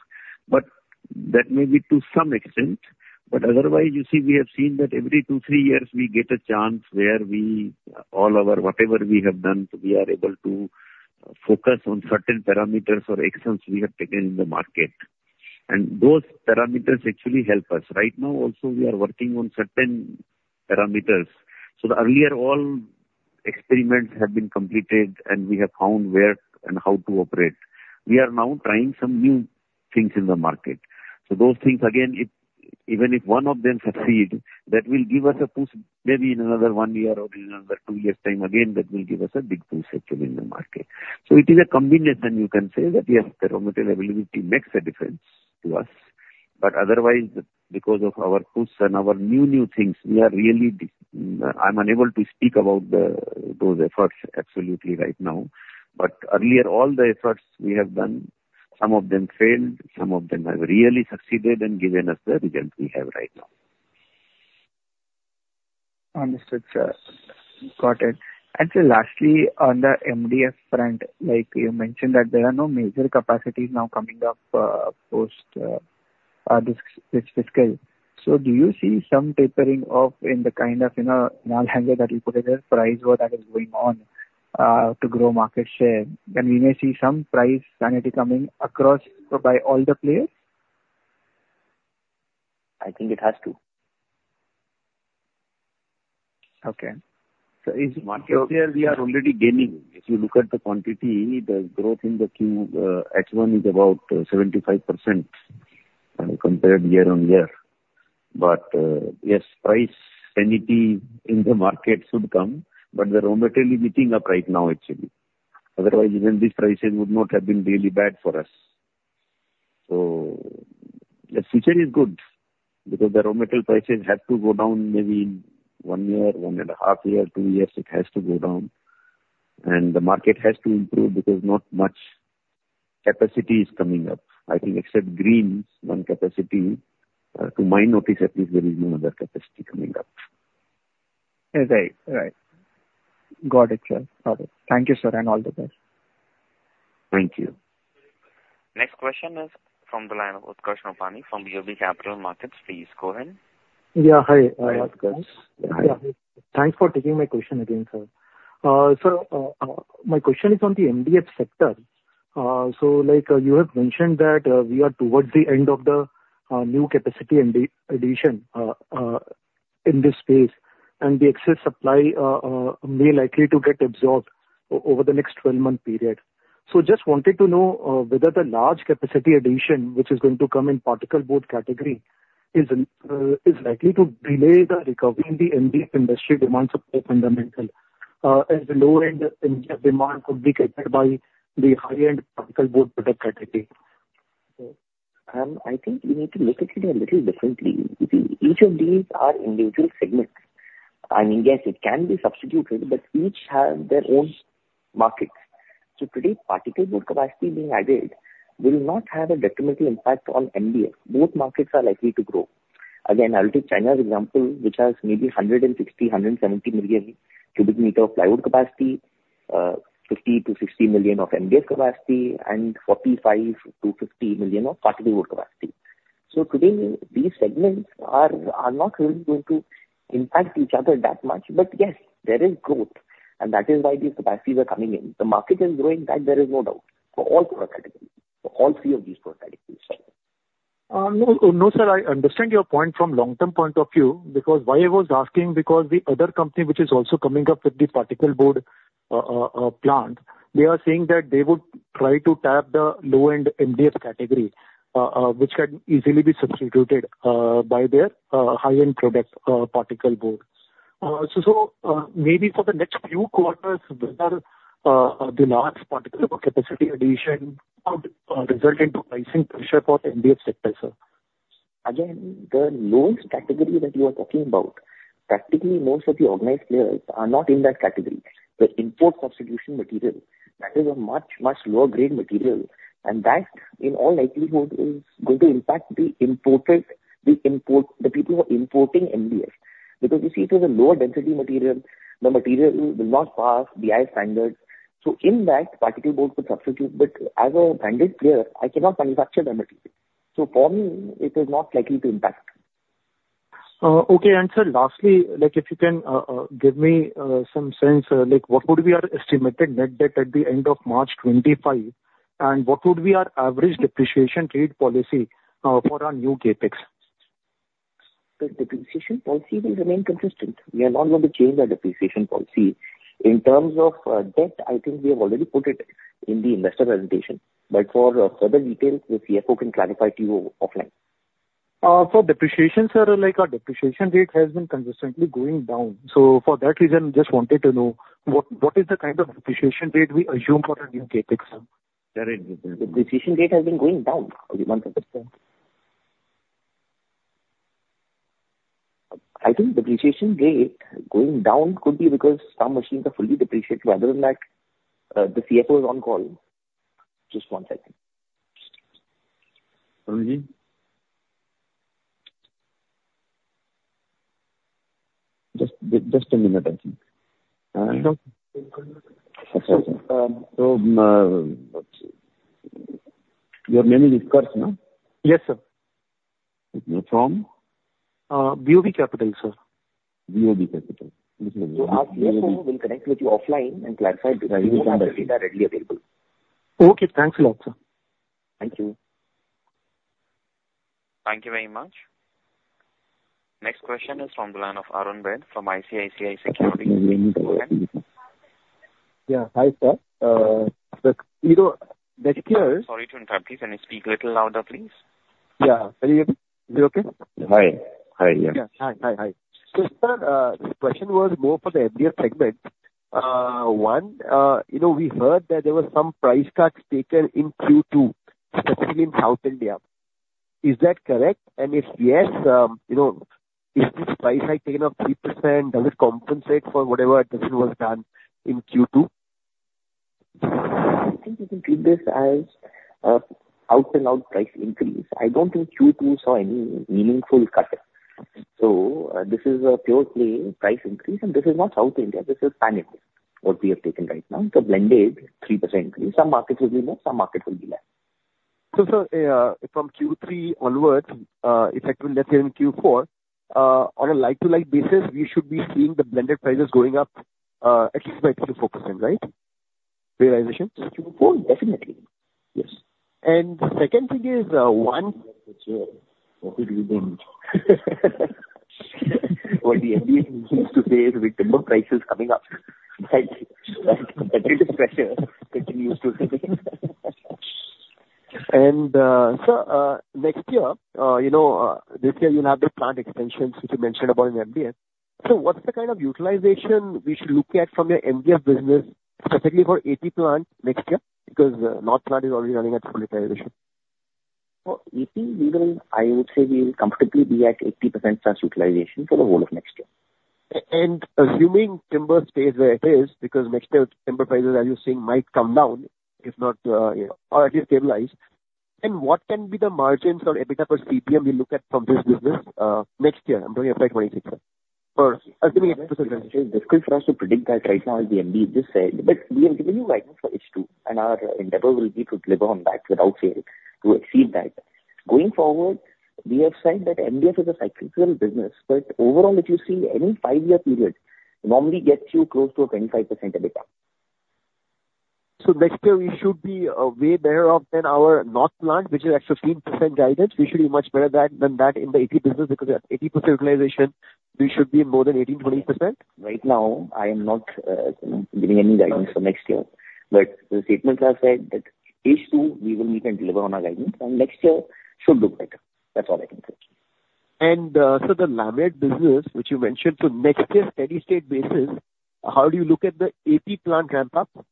That may be to some extent. Otherwise, you see, we have seen that every two, three years, we get a chance where all our whatever we have done, we are able to focus on certain parameters or actions we have taken in the market. Those parameters actually help us. Right now, also, we are working on certain parameters. So earlier, all experiments have been completed, and we have found where and how to operate. We are now trying some new things in the market. So those things, again, even if one of them succeed, that will give us a push maybe in another one year or in another two years' time. Again, that will give us a big boost actually in the market. So it is a combination, you can say, that yes, the raw material availability makes a difference to us. But otherwise, because of our push and our new, new things, we are really. I'm unable to speak about those efforts absolutely right now. But earlier, all the efforts we have done, some of them failed, some of them have really succeeded and given us the result we have right now. Understood, sir. Got it. And lastly, on the MDF front, like you mentioned, that there are no major capacities now coming up post this fiscal. So do you see some tapering off in the kind of cannibalization that you put in the price war that is going on to grow market share? And we may see some price sanity coming across by all the players? I think it has to. Okay, so is it? This year, we are already gaining. If you look at the quantity, the growth in the Q1 is about 75% compared year-on-year. But yes, price sanity in the market should come, but the raw material is heating up right now, actually. Otherwise, even these prices would not have been really bad for us. So the future is good because the raw material prices have to go down maybe in one year, one and a half years, two years. It has to go down. And the market has to improve because not much capacity is coming up, I think, except Green's one capacity. To my notice, at least, there is no other capacity coming up. Right. Got it, sir. Thank you, sir, and all the best. Thank you. Next question is from Utkarsh Nopany from BOB Capital Markets. Please go ahead. Yeah. Hi, Utkarsh. Thanks for taking my question again, sir. Sir, my question is on the MDF sector. So you have mentioned that we are towards the end of the new capacity addition in this space, and the excess supply may likely to get absorbed over the next 12-month period. So just wanted to know whether the large capacity addition, which is going to come in particle board category, is likely to delay the recovery in the MDF industry demand supply fundamental, as the low-end MDF demand could be captured by the high-end particle board product category. I think you need to look at it a little differently. Each of these are individual segments. I mean, yes, it can be substituted, but each has their own market. So today, particle board capacity being added will not have a detrimental impact on MDF. Both markets are likely to grow. Again, I'll take China's example, which has maybe 160-170 million cubic meters of plywood capacity, 50-60 million of MDF capacity, and 45-50 million of particle board capacity. So today, these segments are not really going to impact each other that much. But yes, there is growth, and that is why these capacities are coming in. The market is growing, that there is no doubt for all product categories, for all three of these product categories. No, sir, I understand your point from a long-term point of view because why I was asking, because the other company, which is also coming up with the particle board plant, they are saying that they would try to tap the low-end MDF category, which can easily be substituted by their high-end product particle board. So maybe for the next few quarters, whether the large particle board capacity addition could result in pricing pressure for the MDF sector, sir? Again, the lowest category that you are talking about, practically most of the organized players are not in that category. The import substitution material, that is a much, much lower-grade material, and that in all likelihood is going to impact the people who are importing MDF. Because you see, it is a lower density material. The material will not pass the BIS standards. So in that, particle board could substitute, but as a branded player, I cannot manufacture that material. So for me, it is not likely to impact. Okay. And sir, lastly, if you can give me some sense, what would be our estimated net debt at the end of March 2025? And what would be our average depreciation trade policy for our new CapEx? The depreciation policy will remain consistent. We are not going to change our depreciation policy. In terms of debt, I think we have already put it in the investor presentation. But for further details, the CFO can clarify to you offline. For depreciation, sir, our depreciation rate has been consistently going down. So for that reason, I just wanted to know what is the kind of depreciation rate we assume for the new CapEx? The depreciation rate has been going down. I think depreciation rate going down could be because some machines are fully depreciated rather than that the CFO is on call. Just one second. Sorry, ji? Just a minute, I think. Okay. So you are mainly Utkarsh, no? Yes, sir. From? BOB Capital, sir. BOB Capital. So ask BOB Capital. We'll connect with you offline and clarify in the time that you are readily available. Okay. Thanks a lot, sir. Thank you. Thank you very much. Next question is from Arun Baid from ICICI Securities. Go ahead. Yeah. Hi, sir. The securities. Sorry to interrupt. Please speak a little louder, please. Yeah. Is this okay? Hi. Hi. Yes. Yes. Hi. Hi. Hi. So, sir, the question was more for the MDF segment. One, we heard that there were some price cuts taken in Q2, specifically in South India. Is that correct? And if yes, is this price hike taken of 3%? Does it compensate for whatever adjustment was done in Q2? I think you can treat this as out-and-out price increase. I don't think Q2 saw any meaningful cuts. So this is a pure play price increase, and this is not South India. This is panic what we have taken right now. It's a blended 3% increase. Some markets will be more, some markets will be less. So, sir, from Q3 onwards, effectively, let's say in Q4, on a like-to-like basis, we should be seeing the blended prices going up at least by 3%-4%, right? Realization? Q4, definitely. Yes. And the second thing is, one. What did we do? What the MDF continues to say is with the more prices coming up, competitive pressure continues to. Sir, next year, this year, you'll have the plant extensions which you mentioned about in MDF. So what's the kind of utilization we should look at from your MDF business, specifically for AP plant next year? Because North plant is already running at full utilization. For AP, I would say we'll comfortably be at 80%+ utilization for the whole of next year. Assuming timber stays where it is, because next year, timber prices, as you're saying, might come down, if not, or at least stabilize. What can be the margins or EBITDA per CBM we look at from this business next year? I'm talking FY26. It's difficult for us to predict that right now, as the MD just said. But we are giving you guidance for H2, and our endeavor will be to deliver on that without fail, to exceed that. Going forward, we have said that MDF is a cyclical business. But overall, if you see any five-year period, it normally gets you close to a 25% EBITDA. Next year, we should be way better off than our North plant, which is at 15% guidance. We should be much better than that in the AP business because at 80% utilization, we should be more than 18-20%. Right now, I am not giving any guidance for next year. But the statements are said that H2, we will meet and deliver on our guidance. And next year should look better. That's all I can say. Sir, the laminates business, which you mentioned, so next year, steady-state basis, how do you look at the AP plant ramp-up next year? I think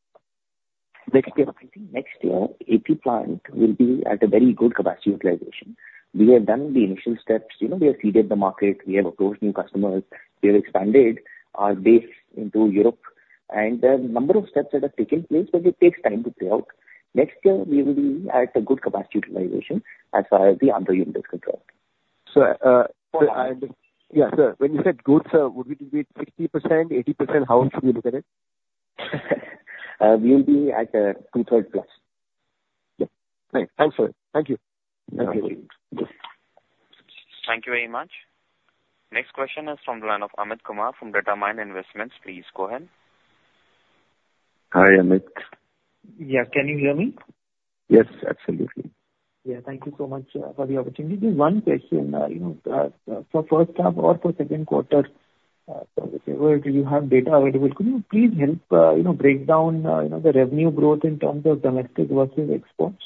next year, AP plant will be at a very good capacity utilization. We have done the initial steps. We have seeded the market. We have approached new customers. We have expanded our base into Europe, and there are a number of steps that have taken place, but it takes time to play out. Next year, we will be at a good capacity utilization as far as the AP unit is concerned. Sir, yeah, sir, when you said good, sir, would it be 60%, 80%? How should we look at it? We will be at two-thirds plus. Yeah. Thanks, sir. Thank you. Thank you very much. Next question is from Amit Kumar from Determined Investments. Please go ahead. Hi, Amit. Yeah. Can you hear me? Yes, absolutely. Yeah. Thank you so much for the opportunity. Just one question. For H1 or for Q2, do you have data available? Could you please help break down the revenue growth in terms of domestic versus exports,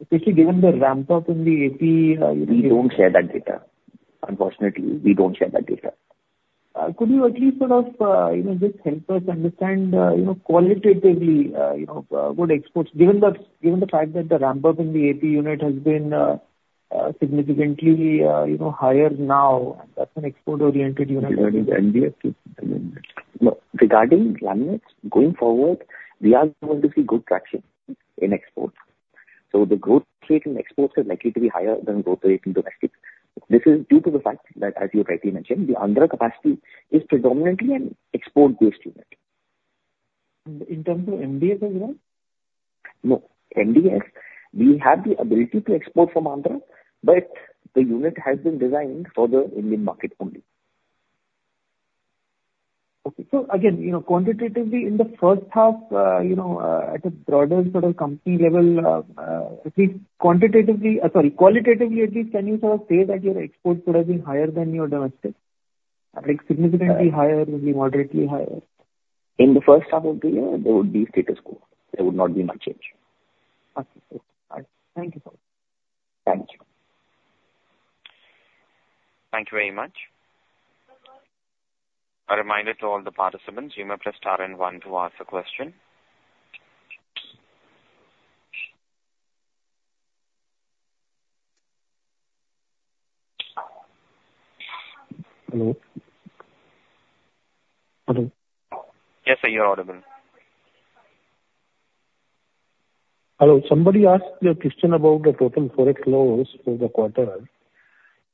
especially given the ramp-up in the AP? We don't share that data. Unfortunately, we don't share that data. Could you at least sort of just help us understand qualitatively what exports, given the fact that the ramp-up in the AP unit has been significantly higher now, and that's an export-oriented unit? Regarding MDF, regarding laminates, going forward, we are going to see good traction in exports. So the growth rate in exports is likely to be higher than the growth rate in domestic. This is due to the fact that, as you rightly mentioned, the Andhra capacity is predominantly an export-based unit. In terms of MDF as well? No. MDF, we have the ability to export from Andhra, but the unit has been designed for the Indian market only. Okay, so again, quantitatively, in theH1, at a broader sort of company level, at least quantitatively sorry, qualitatively, at least, can you sort of say that your exports would have been higher than your domestic? Significantly higher than the moderately higher? In the H1 of the year, they would be status quo. There would not be much change. Okay. Thank you so much. Thank you. Thank you very much. A reminder to all the participants, you may press star and one to ask a question. Hello? Yes, sir, you're audible. Hello. Somebody asked a question about the total Forex loss for the quarter.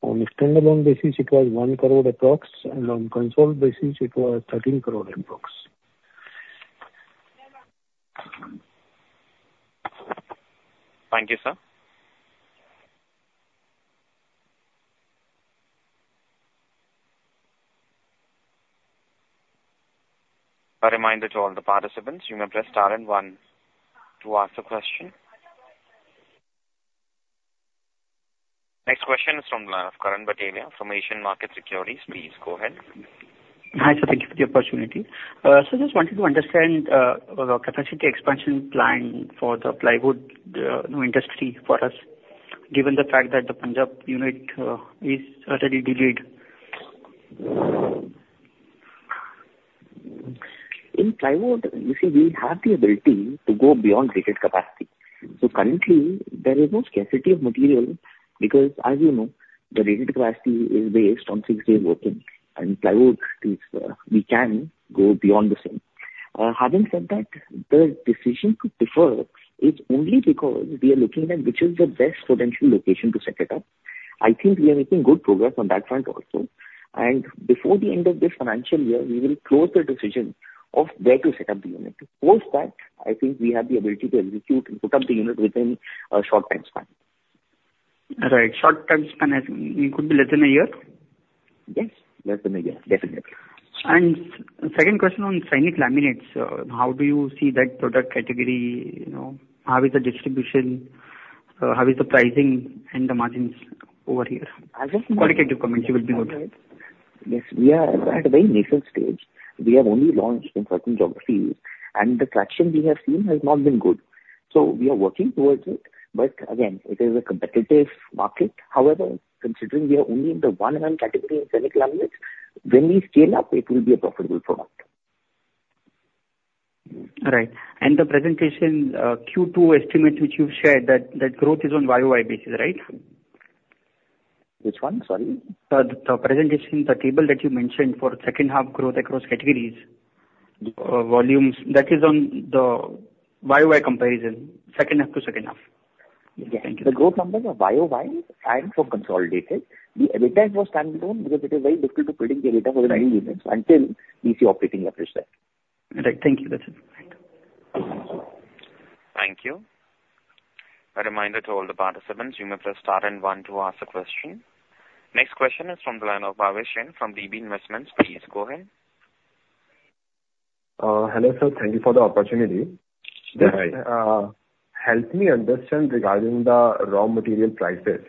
On the standalone basis, it was 1 crore approx, and on consolidated basis, it was 13 crore approx. Thank you, sir. A reminder to all the participants, you may press star and one to ask a question. Next question is from Karan Bhatelia from Asian Market Securities. Please go ahead. Hi, sir. Thank you for the opportunity. Sir, just wanted to understand the capacity expansion plan for the plywood industry for us, given the fact that the Punjab unit is already delayed. In plywood, you see, we have the ability to go beyond rated capacity, so currently, there is no scarcity of material because, as you know, the rated capacity is based on six-day working, and plywood, we can go beyond the same. Having said that, the decision to defer is only because we are looking at which is the best potential location to set it up. I think we are making good progress on that front also, and before the end of this financial year, we will close the decision of where to set up the unit. Post that, I think we have the ability to execute and put up the unit within a short time span. Right. Short time span could be less than a year? Yes, less than a year, definitely. Second question on Sainik Laminates, how do you see that product category? How is the distribution? How is the pricing and the margins over here? Qualitative comment, you will be good. Yes. We are at a very nascent stage. We have only launched in certain geographies, and the traction we have seen has not been good. So we are working towards it. But again, it is a competitive market. However, considering we are only in the 1 mm category in Sainik Laminates, when we scale up, it will be a profitable product. Right. And the presentation Q2 estimates which you've shared, that growth is on YoY basis, right? Which one? Sorry. The presentation, the table that you mentioned for H2 growth across categories, volumes, that is on the YoY comparison, H2 to H2. Yes. The growth numbers are YoY and for consolidated. The EBITDA was standalone because it is very difficult to predict the EBITDA for the new units until we see operating leverage there. Right. Thank you. That's it. Thank you. A reminder to all the participants, you may press star and one to ask a question. Next question is from the line of Bhavesh Jain from DB Investments. Please go ahead. Hello, sir. Thank you for the opportunity. Help me understand regarding the raw material prices.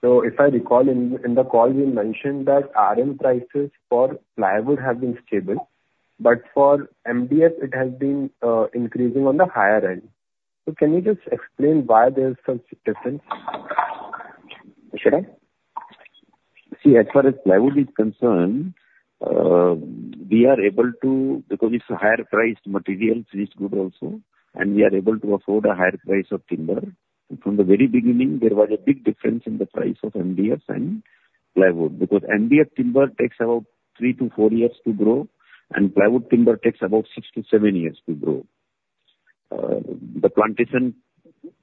So if I recall, in the call, you mentioned that input prices for plywood have been stable, but for MDF, it has been increasing on the higher end. So can you just explain why there's such difference? See, as far as plywood is concerned, we are able to because it's a higher-priced material, which is good also, and we are able to afford a higher price of timber. From the very beginning, there was a big difference in the price of MDF and plywood because MDF timber takes about three-to-four years to grow, and plywood timber takes about six-to-seven years to grow. The plantation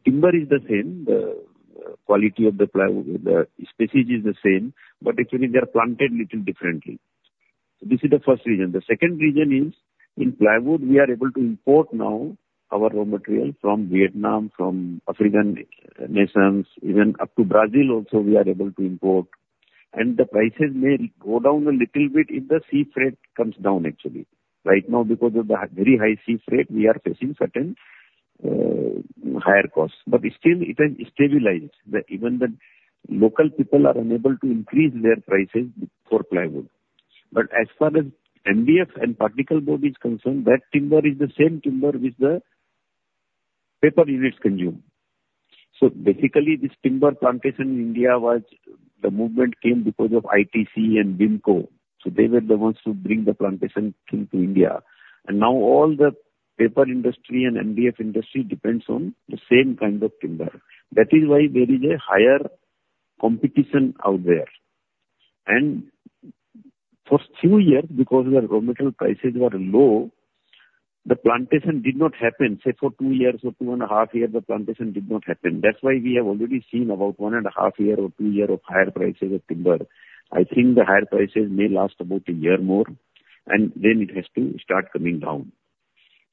timber is the same. The quality of the plywood, the species is the same, but actually, they are planted a little differently. This is the first reason. The second reason is, in plywood, we are able to import now our raw material from Vietnam, from African nations, even up to Brazil also, we are able to import, and the prices may go down a little bit if the sea freight comes down, actually. Right now, because of the very high sea freight, we are facing certain higher costs. But still, it has stabilized. Even the local people are unable to increase their prices for plywood. But as far as MDF and particle board is concerned, that timber is the same timber which the paper units consume. So basically, this timber plantation in India was the movement came because of ITC and WIMCO. So they were the ones who brought the plantation into India. And now all the paper industry and MDF industry depends on the same kind of timber. That is why there is a higher competition out there. And for a few years, because the raw material prices were low, the plantation did not happen. Say for two years or two and a half years, the plantation did not happen. That's why we have already seen about one and a half years or two years of higher prices of timber. I think the higher prices may last about a year more, and then it has to start coming down.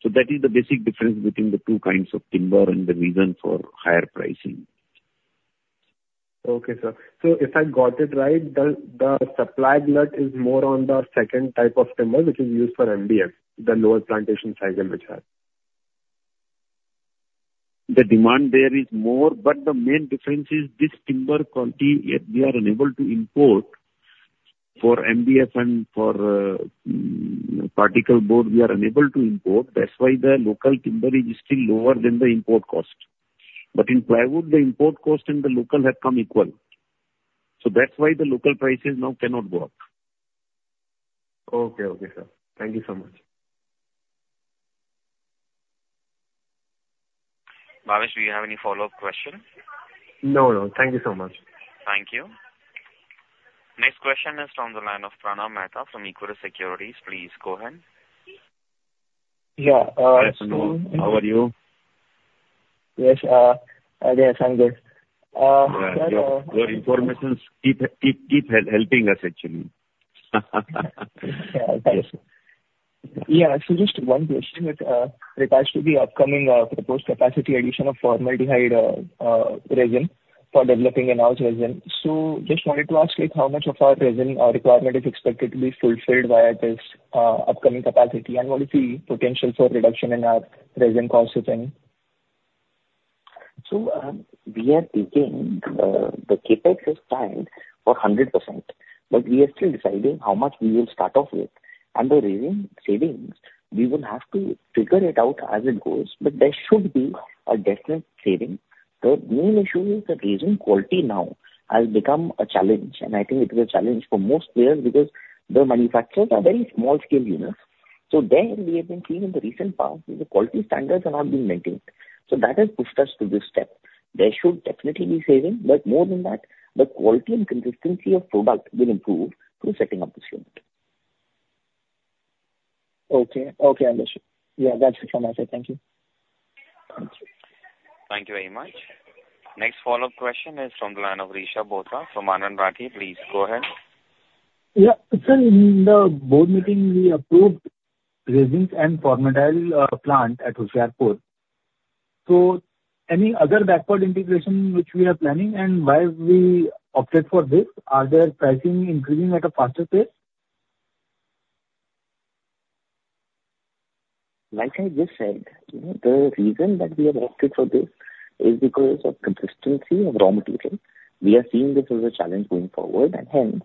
So that is the basic difference between the two kinds of timber and the reason for higher pricing. Okay, sir. So if I got it right, the supply glut is more on the second type of timber, which is used for MDF, the lower plantation size and which have. The demand there is more, but the main difference is this timber quantity we are unable to import for MDF and for particle board, we are unable to import. That's why the local timber is still lower than the import cost. But in plywood, the import cost and the local have come equal. So that's why the local prices now cannot work. Okay. Okay, sir. Thank you so much. Bhavesh, do you have any follow-up questions? No, no. Thank you so much. Thank you. Next question is from Pranav Mehta from Equirus Securities. Please go ahead. Yeah. How are you? Yes. I think I'm good. Your information keeps helping us, actually. Yeah. So just one question. It has to be upcoming proposed capacity addition of formaldehyde resin for developing a new resin. So just wanted to ask how much of our resin requirement is expected to be fulfilled via this upcoming capacity, and what is the potential for reduction in our resin cost, if any? So we are thinking the CapEx is planned for 100%, but we are still deciding how much we will start off with. And the resin savings, we will have to figure it out as it goes, but there should be a definite saving. The main issue is the resin quality now has become a challenge. And I think it is a challenge for most players because the manufacturers are very small-scale units. So there, we have been seeing in the recent past that the quality standards are not being maintained. So that has pushed us to this step. There should definitely be saving, but more than that, the quality and consistency of product will improve through setting up this unit. Okay. Okay, Ahmed. Yeah, that's it from my side. Thank you. Thank you very much. Next follow-up question is from Rishab Bothra. So Rishab Bothra, please go ahead. Yeah. Sir, in the board meeting, we approved resin and formaldehyde plant at Hoshiarpur, so any other backward integration which we are planning and why we opted for this? Are prices increasing at a faster pace? Like I just said, the reason that we have opted for this is because of consistency of raw material. We are seeing this as a challenge going forward, and hence,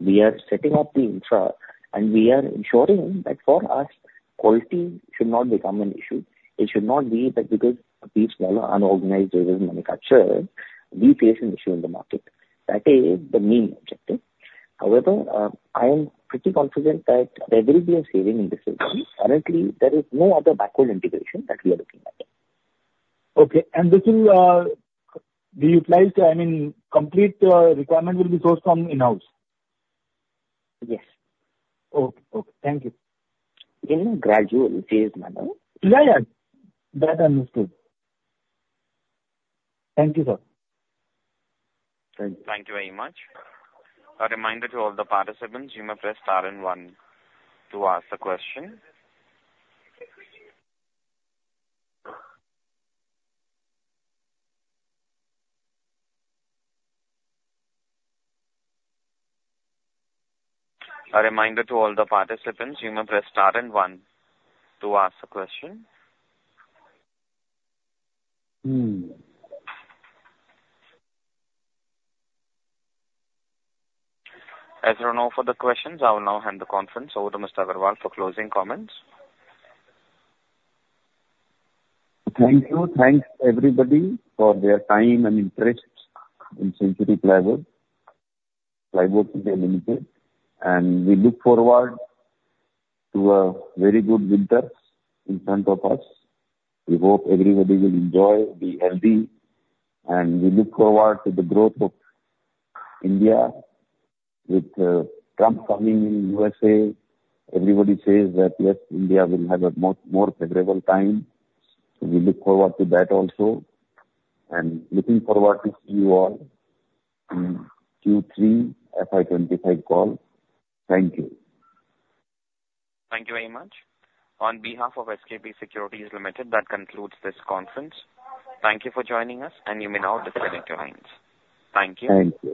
we are setting up the infra, and we are ensuring that for us, quality should not become an issue. It should not be that because of these smaller unorganized resin manufacturers, we face an issue in the market. That is the main objective. However, I am pretty confident that there will be a saving in this regard. Currently, there is no other backward integration that we are looking at. Okay, and this will be utilized to, I mean, complete requirement will be sourced from in-house? Yes. Okay. Okay. Thank you. In a gradual phase manner. Yeah, yeah. That's understood. Thank you, sir. Thank you. Thank you very much. A reminder to all the participants, you may press star and one to ask the question. As we run over the questions, I will now hand the conference over to Mr. Agarwal for closing comments. Thank you. Thanks, everybody, for their time and interest in Century Plyboards (India) Limited, and we look forward to a very good winter in front of us. We hope everybody will enjoy, be healthy, and we look forward to the growth of India with Trump coming in the USA. Everybody says that, yes, India will have a more favorable time. So we look forward to that also, and looking forward to see you all in Q3 FY25 call. Thank you. Thank you very much. On behalf of SKP Securities Limited, that concludes this conference. Thank you for joining us, and you may now disconnect your lines. Thank you. Thank you.